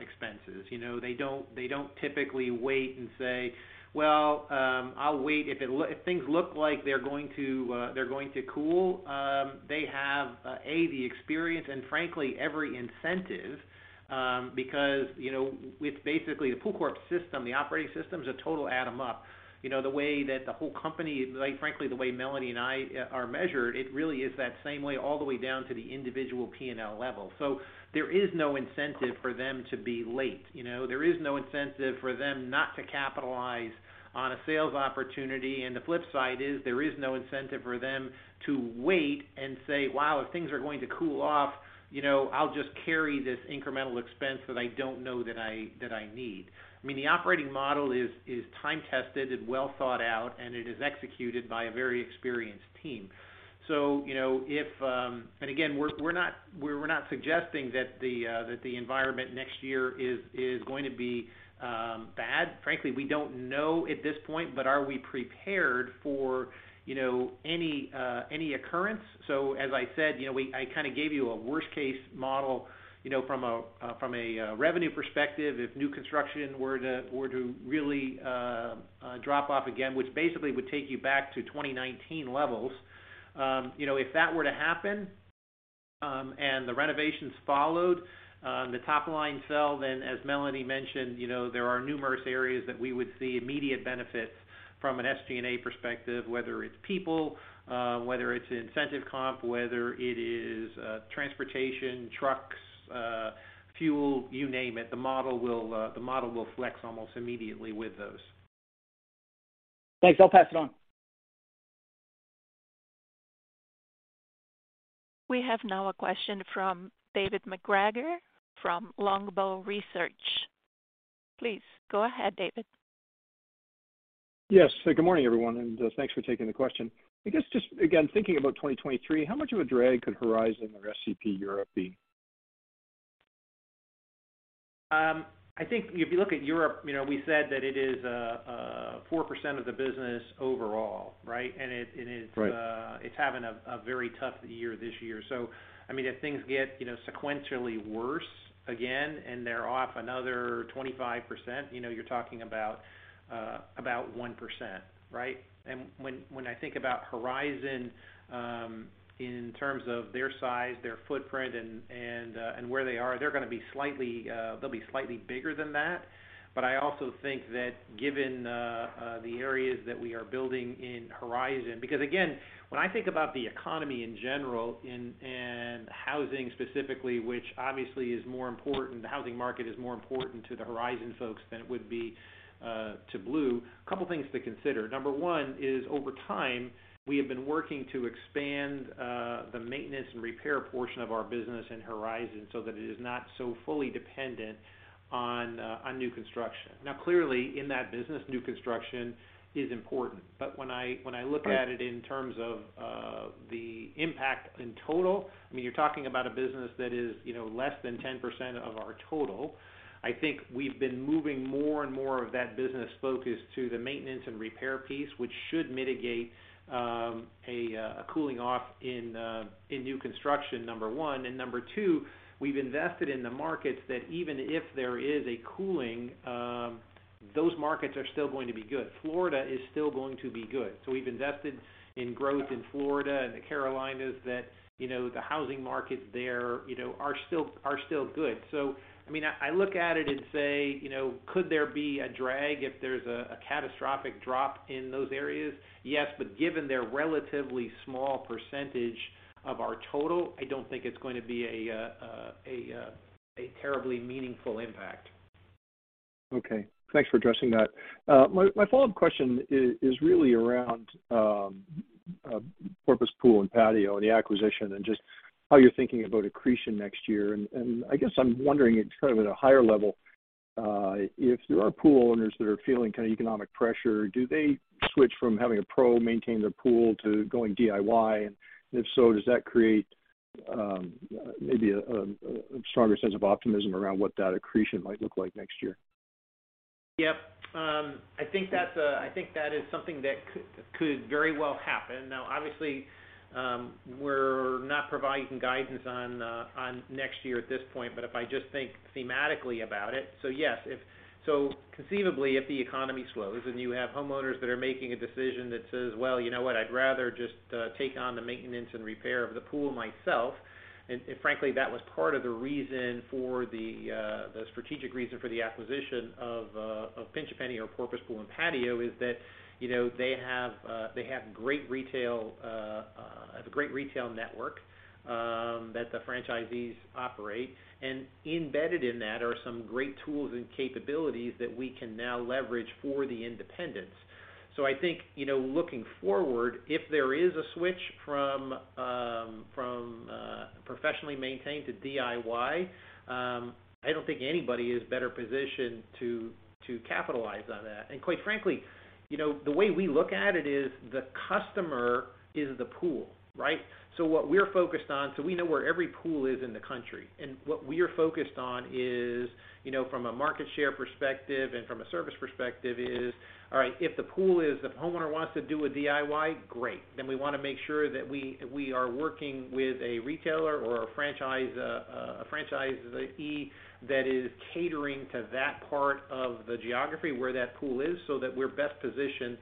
expenses. You know, they don't typically wait and say, "Well, I'll wait if things look like they're going to cool." They have the experience and frankly, every incentive, because, you know, with basically the PoolCorp system, the operating system's a total bottom up. You know, the way that the whole company, like frankly, the way Melanie and I are measured, it really is that same way all the way down to the individual P&L level. There is no incentive for them to be late. You know, there is no incentive for them not to capitalize on a sales opportunity. The flip side is, there is no incentive for them to wait and say, "Wow, if things are going to cool off, you know, I'll just carry this incremental expense that I don't know that I need." I mean, the operating model is time tested and well thought out, and it is executed by a very experienced team. You know, if, again we're not suggesting that the environment next year is going to be bad. Frankly, we don't know at this point, but are we prepared for, you know, any occurrence? As I said, you know, I kinda gave you a worst case model, you know, from a revenue perspective, if new construction were to really drop off again, which basically would take you back to 2019 levels. You know, if that were to happen, and the renovations followed the top line sales. As Melanie mentioned, you know, there are numerous areas that we would see immediate benefits from an SG&A perspective, whether it's people, whether it's incentive comp, whether it is transportation, trucks, fuel, you name it, the model will flex almost immediately with those. Thanks. I'll pass it on. We have now a question from David MacGregor from Longbow Research. Please go ahead, David. Yes. Good morning, everyone, and thanks for taking the question. I guess just again, thinking about 2023, how much of a drag could Horizon or SCP Europe be? I think if you look at Europe, you know, we said that it is 4% of the business overall, right? Right. It's having a very tough year this year. I mean, if things get, you know, sequentially worse again and they're off another 25%, you know, you're talking about about 1%, right? When I think about Horizon, in terms of their size, their footprint and where they are, they'll be slightly bigger than that. I also think that given the areas that we are building in Horizon. Because again, when I think about the economy in general and housing specifically, which obviously is more important, the housing market is more important to the Horizon folks than it would be to Blue. A couple things to consider. Number one is over time, we have been working to expand the maintenance and repair portion of our business in Horizon so that it is not so fully dependent on on new construction. Now, clearly, in that business, new construction is important. When I look at it in terms of the impact in total, I mean, you're talking about a business that is, you know, less than 10% of our total. I think we've been moving more and more of that business focus to the maintenance and repair piece, which should mitigate a cooling off in new construction, number one. Number two, we have invested in the markets that even if there is a cooling, those markets are still going to be good. Florida is still going to be good. We have invested in growth in Florida and the Carolinas that, you know, the housing markets there, you know, are still good. I mean, I look at it and say, you know, could there be a drag if there's a catastrophic drop in those areas? Yes, but given their relatively small percentage of our total, I don't think it's going to be a terribly meaningful impact. Okay. Thanks for addressing that. My follow-up question is really around Porpoise Pool & Patio, the acquisition, and just how you're thinking about accretion next year. I guess I'm wondering it kind of at a higher level, if there are pool owners that are feeling kinda economic pressure, do they switch from having a pro maintain their pool to going DIY? If so, does that create maybe a stronger sense of optimism around what that accretion might look like next year? I think that is something that could very well happen. Now, obviously, we are not providing guidance on next year at this point, but if I just think thematically about it. Yes, conceivably, if the economy slows and you have homeowners that are making a decision that says, "Well, you know what? I'd rather just take on the maintenance and repair of the pool myself." And frankly, that was part of the reason for the strategic reason for the acquisition of Pinch A Penny or Porpoise Pool & Patio, is that, you know, they have a great retail network that the franchisees operate. And embedded in that are some great tools and capabilities that we can now leverage for the independents. I think, you know, looking forward, if there is a switch from professionally maintained to DIY, I don't think anybody is better positioned to capitalize on that. Quite frankly, you know, the way we look at it is the customer is the pool, right? What we're focused on is we know where every pool is in the country, and what we are focused on is, you know, from a market share perspective and from a service perspective is, all right, if the pool is the homeowner wants to do a DIY, great, then we wanna make sure that we are working with a retailer or a franchise, a franchisee that is catering to that part of the geography where that pool is, so that we're best positioned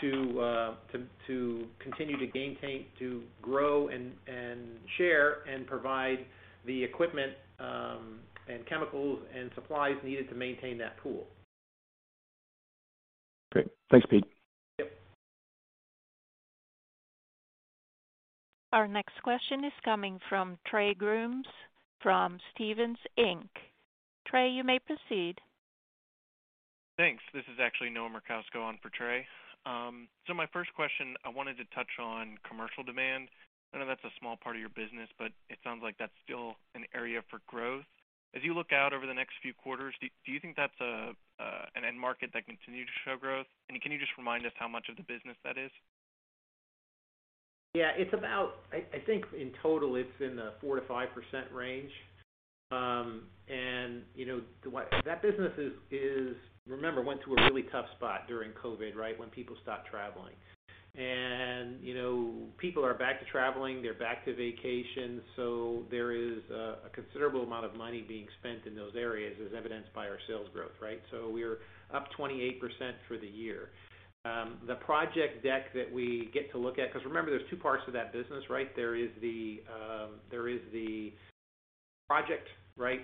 to continue to gain, to grow and share and provide the equipment, and chemicals and supplies needed to maintain that pool. Great. Thanks, Pete. Yep. Our next question is coming from Trey Grooms from Stephens Inc. Trey, you may proceed. Thanks. This is actually Noah Merkousko on for Trey. So my first question, I wanted to touch on commercial demand. I know that's a small part of your business, but it sounds like that's still an area for growth. As you look out over the next few quarters, do you think that's an end market that continues to show growth? And can you just remind us how much of the business that is? Yeah, it's about. I think in total it's in the 4%-5% range. You know, that business is, remember, went through a really tough spot during COVID, right? When people stopped traveling. You know, people are back to traveling, they're back to vacation. There is a considerable amount of money being spent in those areas as evidenced by our sales growth, right? We are up 28% for the year. The project deck that we get to look at, 'cause remember, there's 2 parts to that business, right? There is the project, right?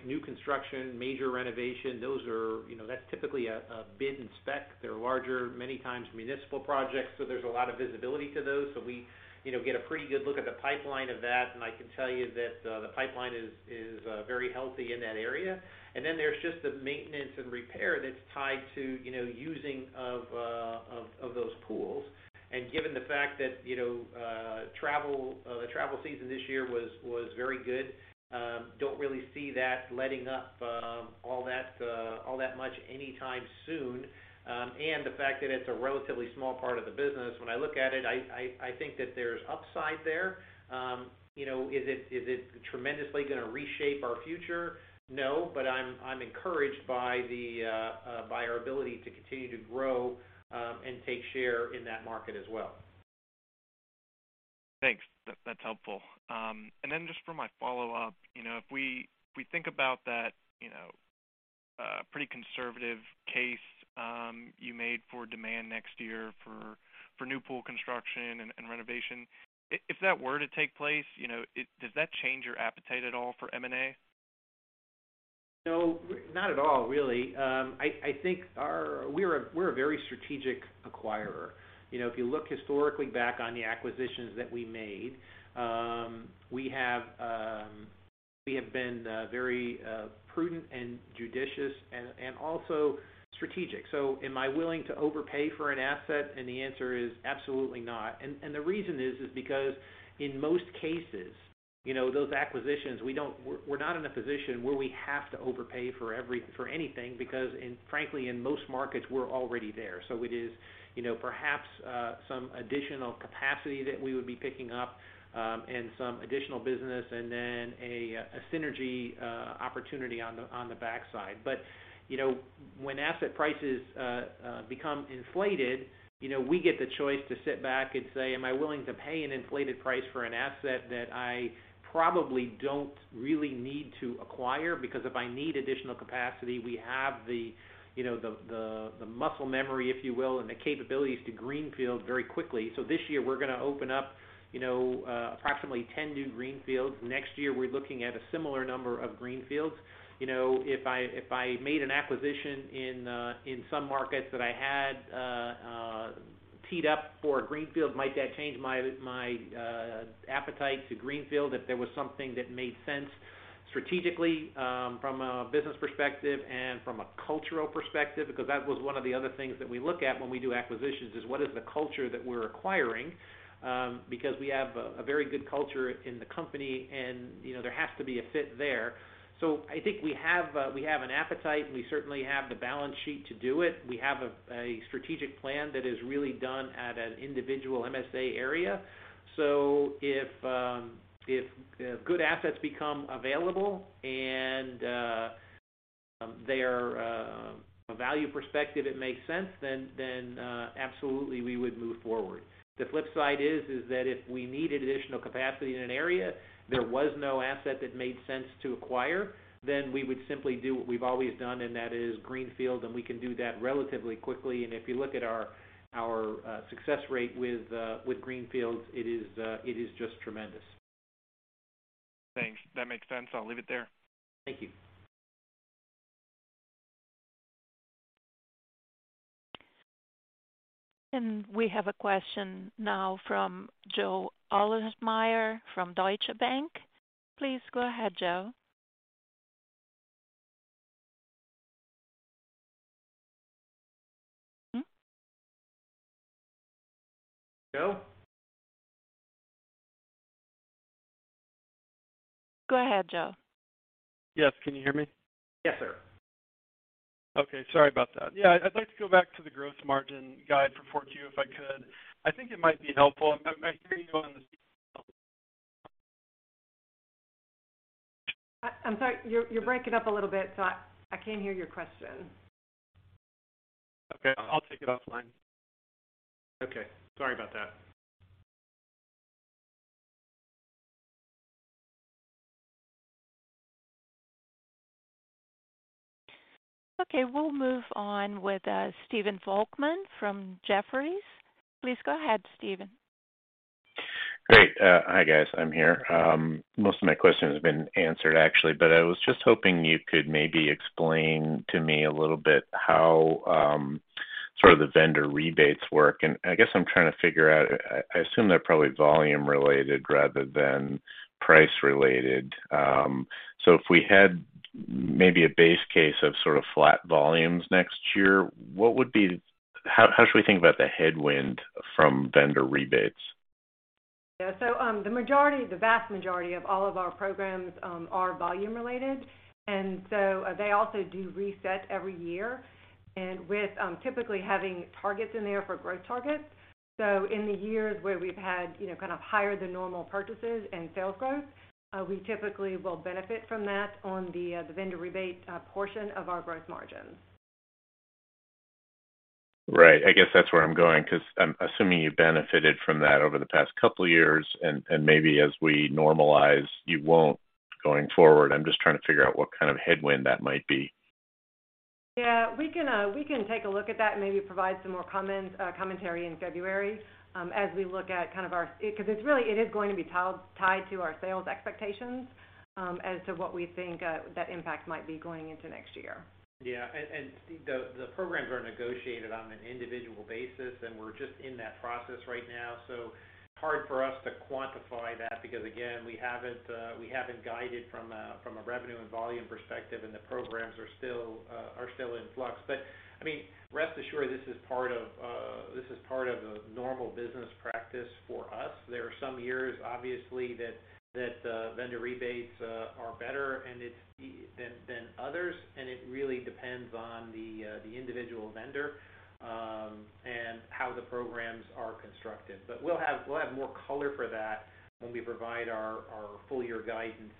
New construction, major renovation. Those are, you know, that's typically a bid and spec. They're larger, many times municipal projects, so there's a lot of visibility to those. We, you know, get a pretty good look at the pipeline of that, and I can tell you that the pipeline is very healthy in that area. Then there's just the maintenance and repair that's tied to, you know, using of those pools. Given the fact that, you know, the travel season this year was very good, don't really see that letting up all that much anytime soon. The fact that it's a relatively small part of the business. When I look at it, I think that there's upside there. You know, is it tremendously gonna reshape our future? No, but I'm encouraged by our ability to continue to grow and take share in that market as well. Thanks. That's helpful. Just for my follow-up, you know, if we think about that, you know, pretty conservative case you made for demand next year for new pool construction and renovation. If that were to take place, you know, does that change your appetite at all for M&A? No, not at all, really. I think we are a very strategic acquirer. You know, if you look historically back on the acquisitions that we made, we have been very prudent and judicious and also strategic. Am I willing to overpay for an asset? The answer is absolutely not. The reason is because in most cases, you know, those acquisitions, we're not in a position where we have to overpay for anything because frankly, in most markets, we're already there. It is, you know, perhaps some additional capacity that we would be picking up, and some additional business and then a synergy opportunity on the backside. You know, when asset prices become inflated, you know, we get the choice to sit back and say, "Am I willing to pay an inflated price for an asset that I probably don't really need to acquire?" Because if I need additional capacity, we have the, you know, muscle memory, if you will, and the capabilities to greenfield very quickly. This year, we're gonna open up, you know, approximately 10 new greenfields. Next year, we are looking at a similar number of greenfields. You know, if I made an acquisition in some markets that I had teed up for a greenfield, might that change my appetite to greenfield if there was something that made sense strategically, from a business perspective and from a cultural perspective, because that was one of the other things that we look at when we do acquisitions is. What is the culture that we're acquiring? Because we have a very good culture in the company and, you know, there has to be a fit there. I think we have an appetite, and we certainly have the balance sheet to do it. We have a strategic plan that is really done at an individual MSA area. If good assets become available and from a value perspective it makes sense, then absolutely we would move forward. The flip side is that if we needed additional capacity in an area, there was no asset that made sense to acquire, then we would simply do what we have always done, and that is greenfield, and we can do that relatively quickly. If you look at our success rate with greenfields, it is just tremendous. Thanks. That makes sense. I'll leave it there. Thank you. We have a question now from Joe Ahlersmeyer from Deutsche Bank. Please go ahead, Joe. Joe? Go ahead, Joe. Yes. Can you hear me? Yes, sir. Okay. Sorry about that. Yeah. I'd like to go back to the growth margin guide for 4Q if I could. I think it might be helpful. I hear you on the. I'm sorry. You're breaking up a little bit, so I can't hear your question. Okay. I'll take it offline. Okay. Sorry about that. Okay. We'll move on with Stephen Volkmann from Jefferies. Please go ahead, Stephen. Great. Hi, guys. I'm here. Most of my questions have been answered actually, but I was just hoping you could maybe explain to me a little bit how sort of the vendor rebates work. I guess I'm trying to figure out. I assume they're probably volume related rather than price related. So if we had maybe a base case of sort of flat volumes next year, how should we think about the headwind from vendor rebates? Yeah. The majority, the vast majority of all of our programs are volume related, and they also do reset every year and with typically having targets in there for growth targets. In the years where we've had, you know, kind of higher than normal purchases and sales growth, we typically will benefit from that on the vendor rebate portion of our growth margins. Right. I guess that's where I'm going because I'm assuming you benefited from that over the past couple of years, and maybe as we normalize, you won't going forward. I'm just trying to figure out what kind of headwind that might be. Yeah, we can take a look at that and maybe provide some more commentary in February as we look at, because it's really it is going to be tied to our sales expectations as to what we think that impact might be going into next year. Yeah. The programs are negotiated on an individual basis, and we're just in that process right now. Hard for us to quantify that because, again, we haven't guided from a revenue and volume perspective, and the programs are still in flux. I mean, rest assured, this is part of a normal business practice for us. There are some years, obviously, that vendor rebates are better, and it's even than others. It really depends on the individual vendor and how the programs are constructed. We'll have more color for that when we provide our full-year guidance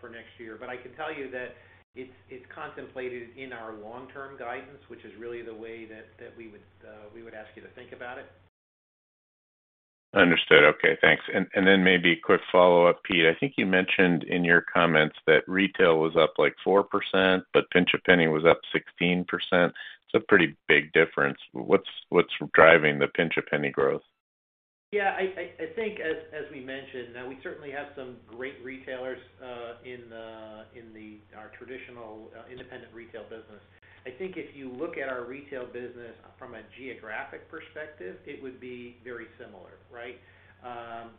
for next year. I can tell you that it's contemplated in our long-term guidance, which is really the way that we would ask you to think about it. Understood. Okay, thanks. Maybe a quick follow-up, Pete. I think you mentioned in your comments that retail was up, like, 4%, but Pinch A Penny was up 16%. It's a pretty big difference. What's driving the Pinch A Penny growth? Yeah, I think as we mentioned, we certainly have some great retailers in our traditional independent retail business. I think if you look at our retail business from a geographic perspective, it would be very similar, right?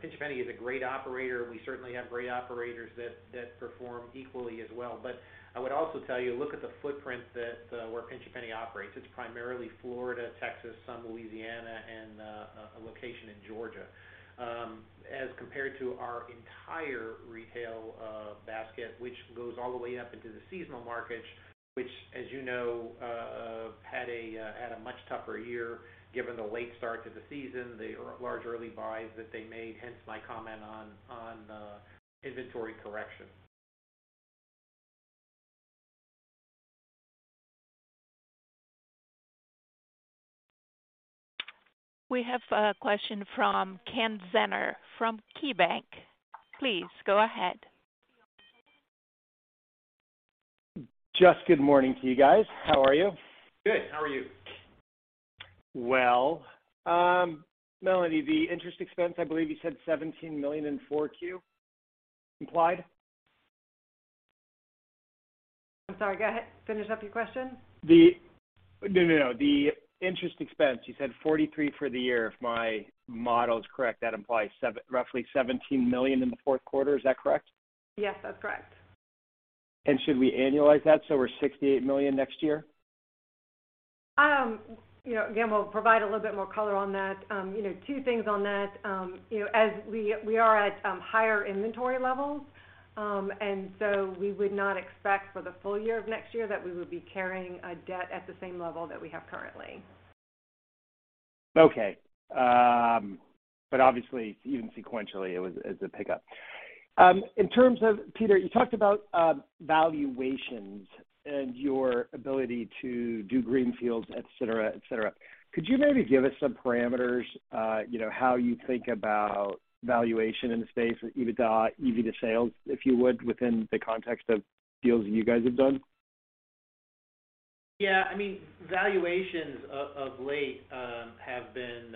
Pinch A Penny is a great operator, and we certainly have great operators that perform equally as well. I would also tell you, look at the footprint where Pinch A Penny operates. It's primarily Florida, Texas, some Louisiana, and a location in Georgia, as compared to our entire retail basket, which goes all the way up into the seasonal markets, which, as you know, had a much tougher year given the late start to the season, the large early buys that they made, hence my comment on inventory correction. We have a question from Ken Zener from KeyBanc. Please go ahead. Just good morning to you guys. How are you? Good. How are you? Well, Melanie, the interest expense, I believe you said $17 million in 4Q implied. I'm sorry, go ahead. Finish up your question. No. The interest expense, you said $43 million for the year if my model is correct. That implies roughly $17 million in the Q4. Is that correct? Yes, that's correct. Should we annualize that so we're $68 million next year? You know, again, we'll provide a little bit more color on that. You know, two things on that. You know, as we are at higher inventory levels, and so we would not expect for the full year of next year that we would be carrying a debt at the same level that we have currently. Okay. Obviously, even sequentially, it's a pickup. In terms of, Peter, you talked about valuations and your ability to do greenfields, et cetera, et cetera. Could you maybe give us some parameters, you know, how you think about valuation in the space, EBITDA, EV to sales, if you would, within the context of deals you guys have done? Yeah. I mean, valuations of late have been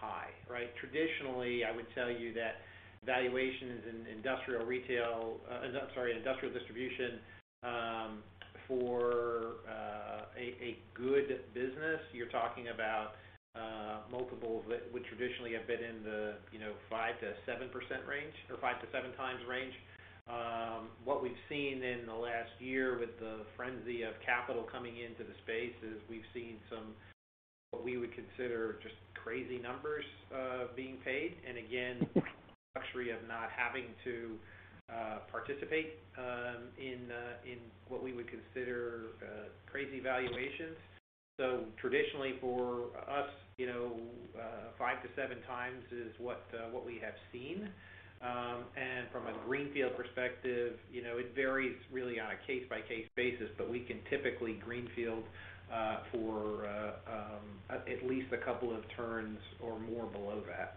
high, right? Traditionally, I would tell you that valuations in industrial distribution for a good business, you're talking about multiples that would traditionally have been in the 5%-7% range or 5-7 times range. What we have seen in the last year with the frenzy of capital coming into the space is we have seen some what we would consider just crazy numbers being paid. Again, the luxury of not having to participate in what we would consider crazy valuations. Traditionally for us, you know, 5-7 times is what we have seen. From a greenfield perspective, you know, it varies really on a case-by-case basis, but we can typically greenfield for at least a couple of turns or more below that.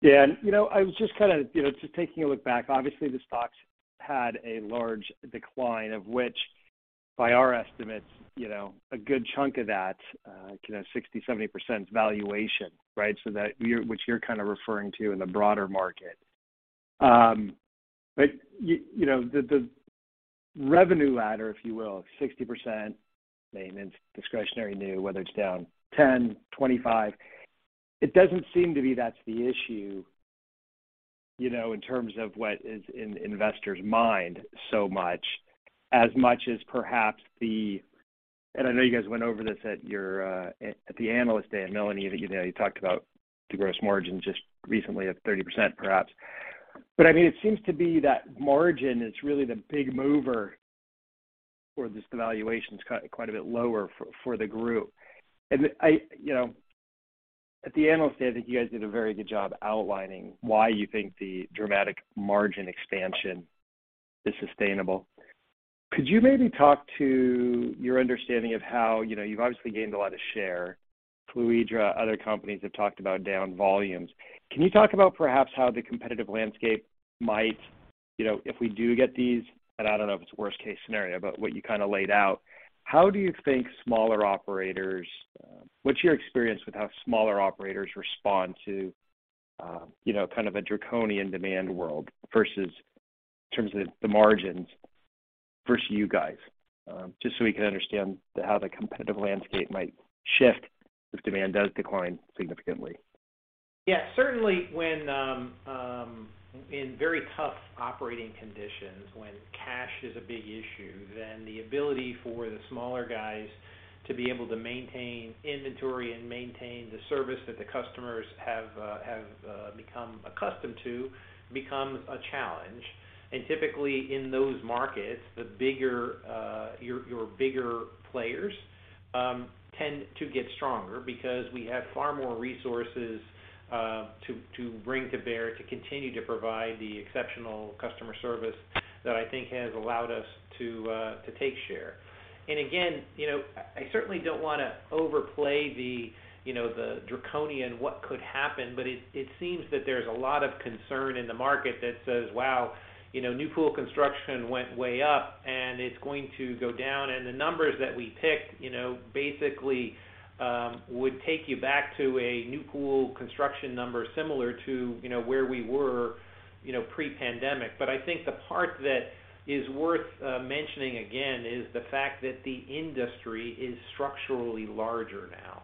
Yeah. You know, I was just kinda, you know, just taking a look back. Obviously, the stocks had a large decline, of which, by our estimates, you know, a good chunk of that, you know, 60%-70% valuation, right? Which you are kind of referring to in the broader market. You know, the revenue ladder, if you will, 60% maintenance, discretionary, new, whether it's down 10-25, it doesn't seem to be that's the issue, you know, in terms of what is in investors' mind so much, as much as perhaps the. I know you guys went over this at your Analyst Day. Melanie, you know, you talked about the gross margins just recently at 30%, perhaps. I mean, it seems to be that margin is really the big mover for this valuation's cut quite a bit lower for the group. At the analyst day, I think you guys did a very good job outlining why you think the dramatic margin expansion is sustainable. Could you maybe talk to your understanding of how, you know, you've obviously gained a lot of share. Fluidra, other companies have talked about down volumes. Can you talk about perhaps how the competitive landscape might, you know, if we do get these, and I don't know if it's worst case scenario, but what you kind of laid out. What's your experience with how smaller operators respond to, you know, kind of a draconian demand world in terms of the margins versus you guys? Just so we can understand how the competitive landscape might shift if demand does decline significantly. Yeah. Certainly when in very tough operating conditions, when cash is a big issue, then the ability for the smaller guys to be able to maintain inventory and maintain the service that the customers have become accustomed to becomes a challenge. Typically in those markets, the bigger players tend to get stronger because we have far more resources to bring to bear to continue to provide the exceptional customer service that I think has allowed us to take share. Again, you know, I certainly don't wanna overplay the, you know, the draconian what could happen, but it seems that there's a lot of concern in the market that says, "Wow, you know, new pool construction went way up, and it's going to go down." The numbers that we picked, you know, basically, would take you back to a new pool construction number similar to, you know, where we were, you know, pre-pandemic. I think the part that is worth mentioning again is the fact that the industry is structurally larger now.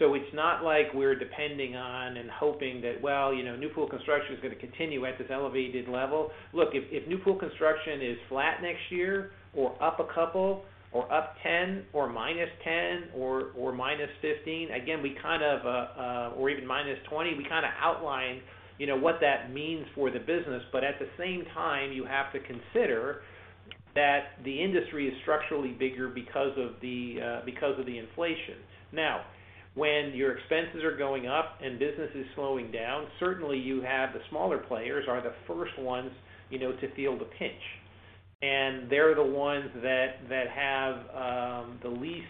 It's not like we're depending on and hoping that, well, you know, new pool construction is gonna continue at this elevated level. Look, if new pool construction is flat next year or up a couple or up 10% or -10% or minus 15%, again, we kind of or even -20%, we kinda outline, you know, what that means for the business. At the same time, you have to consider that the industry is structurally bigger because of the inflation. Now, when your expenses are going up and business is slowing down, certainly you have the smaller players are the first ones, you know, to feel the pinch. They're the ones that have the least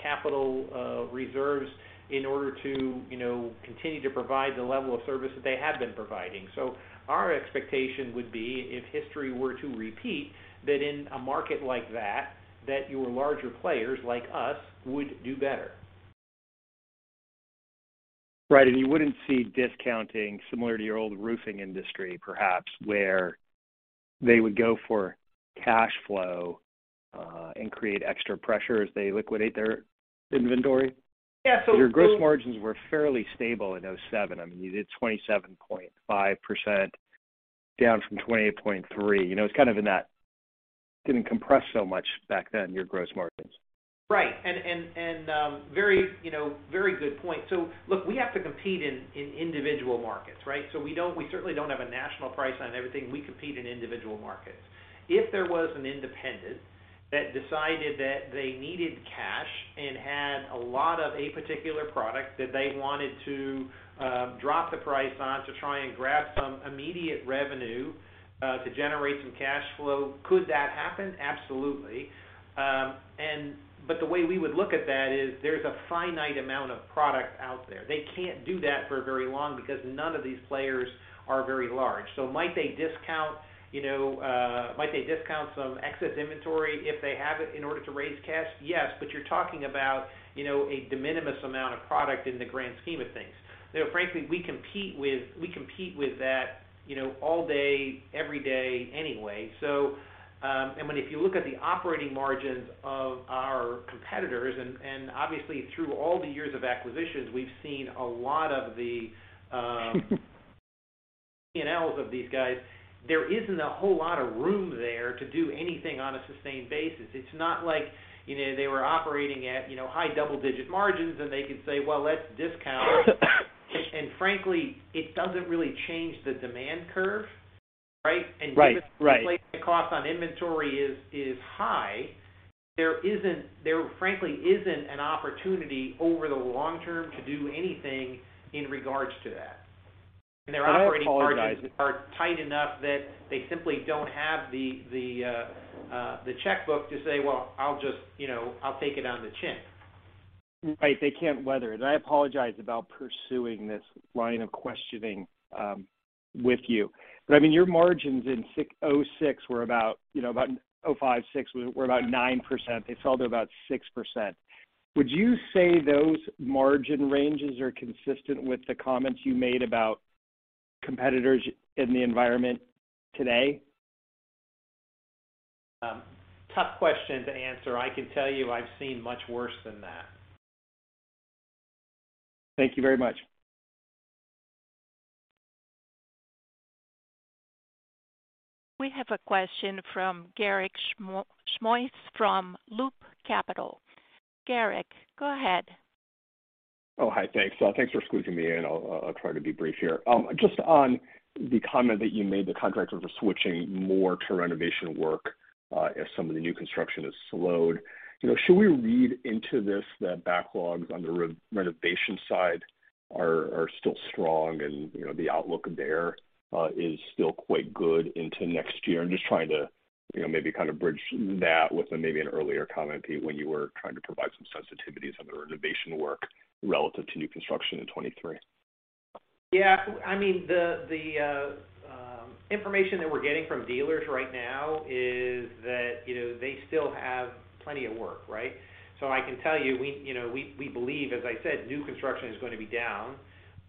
capital reserves in order to, you know, continue to provide the level of service that they have been providing. Our expectation would be, if history were to repeat, that in a market like that your larger players like us would do better. Right. You wouldn't see discounting similar to your old roofing industry, perhaps, where they would go for cash flow and create extra pressure as they liquidate their inventory. Yeah. Your gross margins were fairly stable in 2007. I mean, you did 27.5% down from 28.3%. You know, it's kind of in that. Didn't compress so much back then, your gross margins. Right. Very, you know, very good point. Look, we have to compete in individual markets, right? We certainly don't have a national price on everything. We compete in individual markets. If there was an independent that decided that they needed cash and had a lot of a particular product that they wanted to drop the price on to try and grab some immediate revenue to generate some cash flow, could that happen? Absolutely. But the way we would look at that is there's a finite amount of product out there. They can't do that for very long because none of these players are very large. Might they discount, you know, some excess inventory if they have it in order to raise cash? Yes. You are talking about, you know, a de minimis amount of product in the grand scheme of things. You know, frankly, we compete with that, you know, all day, every day anyway. If you look at the operating margins of our competitors, and obviously through all the years of acquisitions, we've seen a lot of the P&Ls of these guys. There isn't a whole lot of room there to do anything on a sustained basis. It's not like, you know, they were operating at, you know, high double-digit margins, and they could say, "Well, let's discount." Frankly, it doesn't really change the demand curve, right? Right. Right. Given the cost on inventory is high, there frankly isn't an opportunity over the long term to do anything in regards to that. I apologize. Their operating margins are tight enough that they simply don't have the checkbook to say, "Well, I'll just, you know, I'll take it on the chin. Right. They can't weather it. I apologize about pursuing this line of questioning with you. I mean, your margins in 2005, 2006 were about 9%. They fell to about 6%. Would you say those margin ranges are consistent with the comments you made about competitors in the environment today? Tough question to answer. I can tell you I have seen much worse than that. Thank you very much. We have a question from Garik Shmois from Loop Capital. Garik, go ahead. Oh, hi. Thanks. Thanks for squeezing me in. I'll try to be brief here. Just on the comment that you made, the contractors are switching more to renovation work as some of the new construction has slowed. You know, should we read into this that backlogs on the renovation side are still strong and, you know, the outlook there is still quite good into next year. I'm just trying to, you know, maybe kind of bridge that with maybe an earlier comment, Pete, when you were trying to provide some sensitivities on the renovation work relative to new construction in 2023. Yeah. I mean, information that we're getting from dealers right now is that, you know, they still have plenty of work, right? So I can tell you know, we believe, as I said, new construction is gonna be down.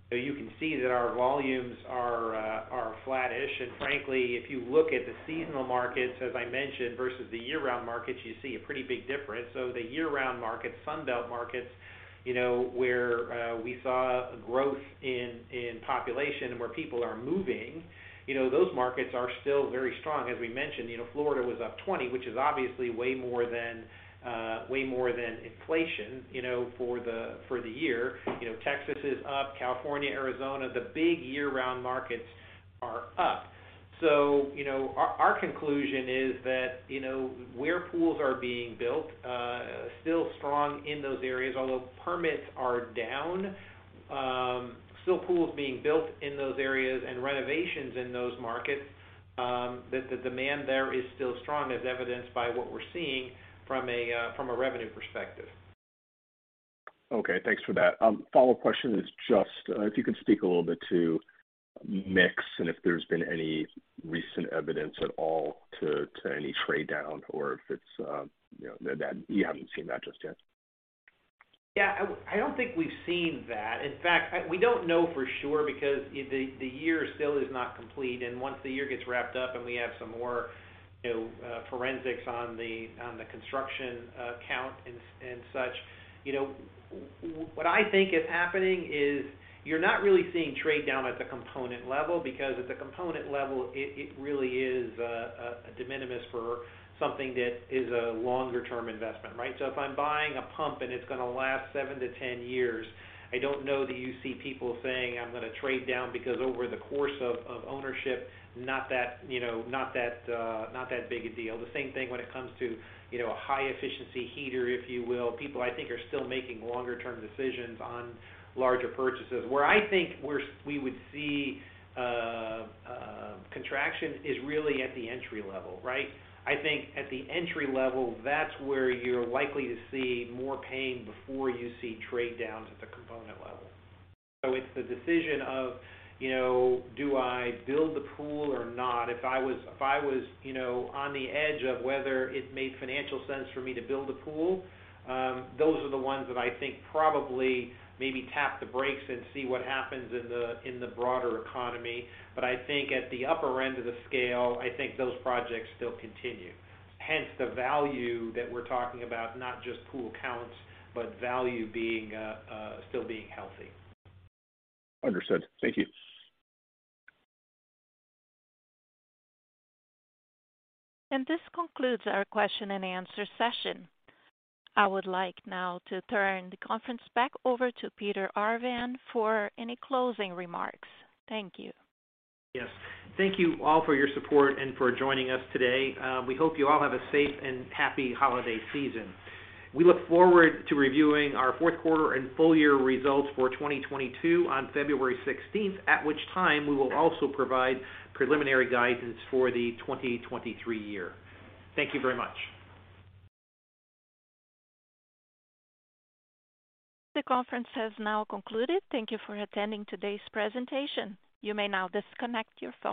So you can see that our volumes are flattish. Frankly, if you look at the seasonal markets, as I mentioned, versus the year-round markets, you see a pretty big difference. So the year-round markets, Sun Belt markets, you know, where we saw growth in population and where people are moving, you know, those markets are still very strong. As we mentioned, you know, Florida was up 20%, which is obviously way more than inflation, you know, for the year. You know, Texas is up, California, Arizona, the big year-round markets are up. You know, our conclusion is that, you know, where pools are being built, still strong in those areas, although permits are down. Still, pools being built in those areas and renovations in those markets, that the demand there is still strong as evidenced by what we're seeing from a revenue perspective. Okay. Thanks for that. Follow-up question is just if you could speak a little bit to mix and if there's been any recent evidence at all to any trade down or if it's you know that you haven't seen that just yet. Yeah. I don't think we have seen that. In fact, we don't know for sure because the year still is not complete, and once the year gets wrapped up and we have some more, you know, forensics on the construction count and such. You know, what I think is happening is you're not really seeing trade down at the component level because at the component level, it really is a de minimis for something that is a longer term investment, right? If I'm buying a pump and it's gonna last seven to 10 years, I don't know that you see people saying, "I'm gonna trade down," because over the course of ownership, not that, you know, not that big a deal. The same thing when it comes to, you know, a high efficiency heater, if you will. People, I think, are still making longer term decisions on larger purchases. Where I think we would see contraction is really at the entry level, right? I think at the entry level, that's where you're likely to see more pain before you see trade downs at the component level. It's the decision of, you know, do I build the pool or not? If I was, you know, on the edge of whether it made financial sense for me to build a pool, those are the ones that I think probably maybe tap the brakes and see what happens in the broader economy. I think at the upper end of the scale, I think those projects still continue. Hence, the value that we're talking about, not just pool counts, but value being still being healthy. Understood. Thank you. This concludes our question and answer session. I would like now to turn the conference back over to Peter Arvan for any closing remarks. Thank you. Yes. Thank you all for your support and for joining us today. We hope you all have a safe and happy holiday season. We look forward to reviewing our Q4 and full year results for 2022 on February sixteenth, at which time we will also provide preliminary guidance for the 2023 year. Thank you very much. The conference has now concluded. Thank you for attending today's presentation. You may now disconnect your phone.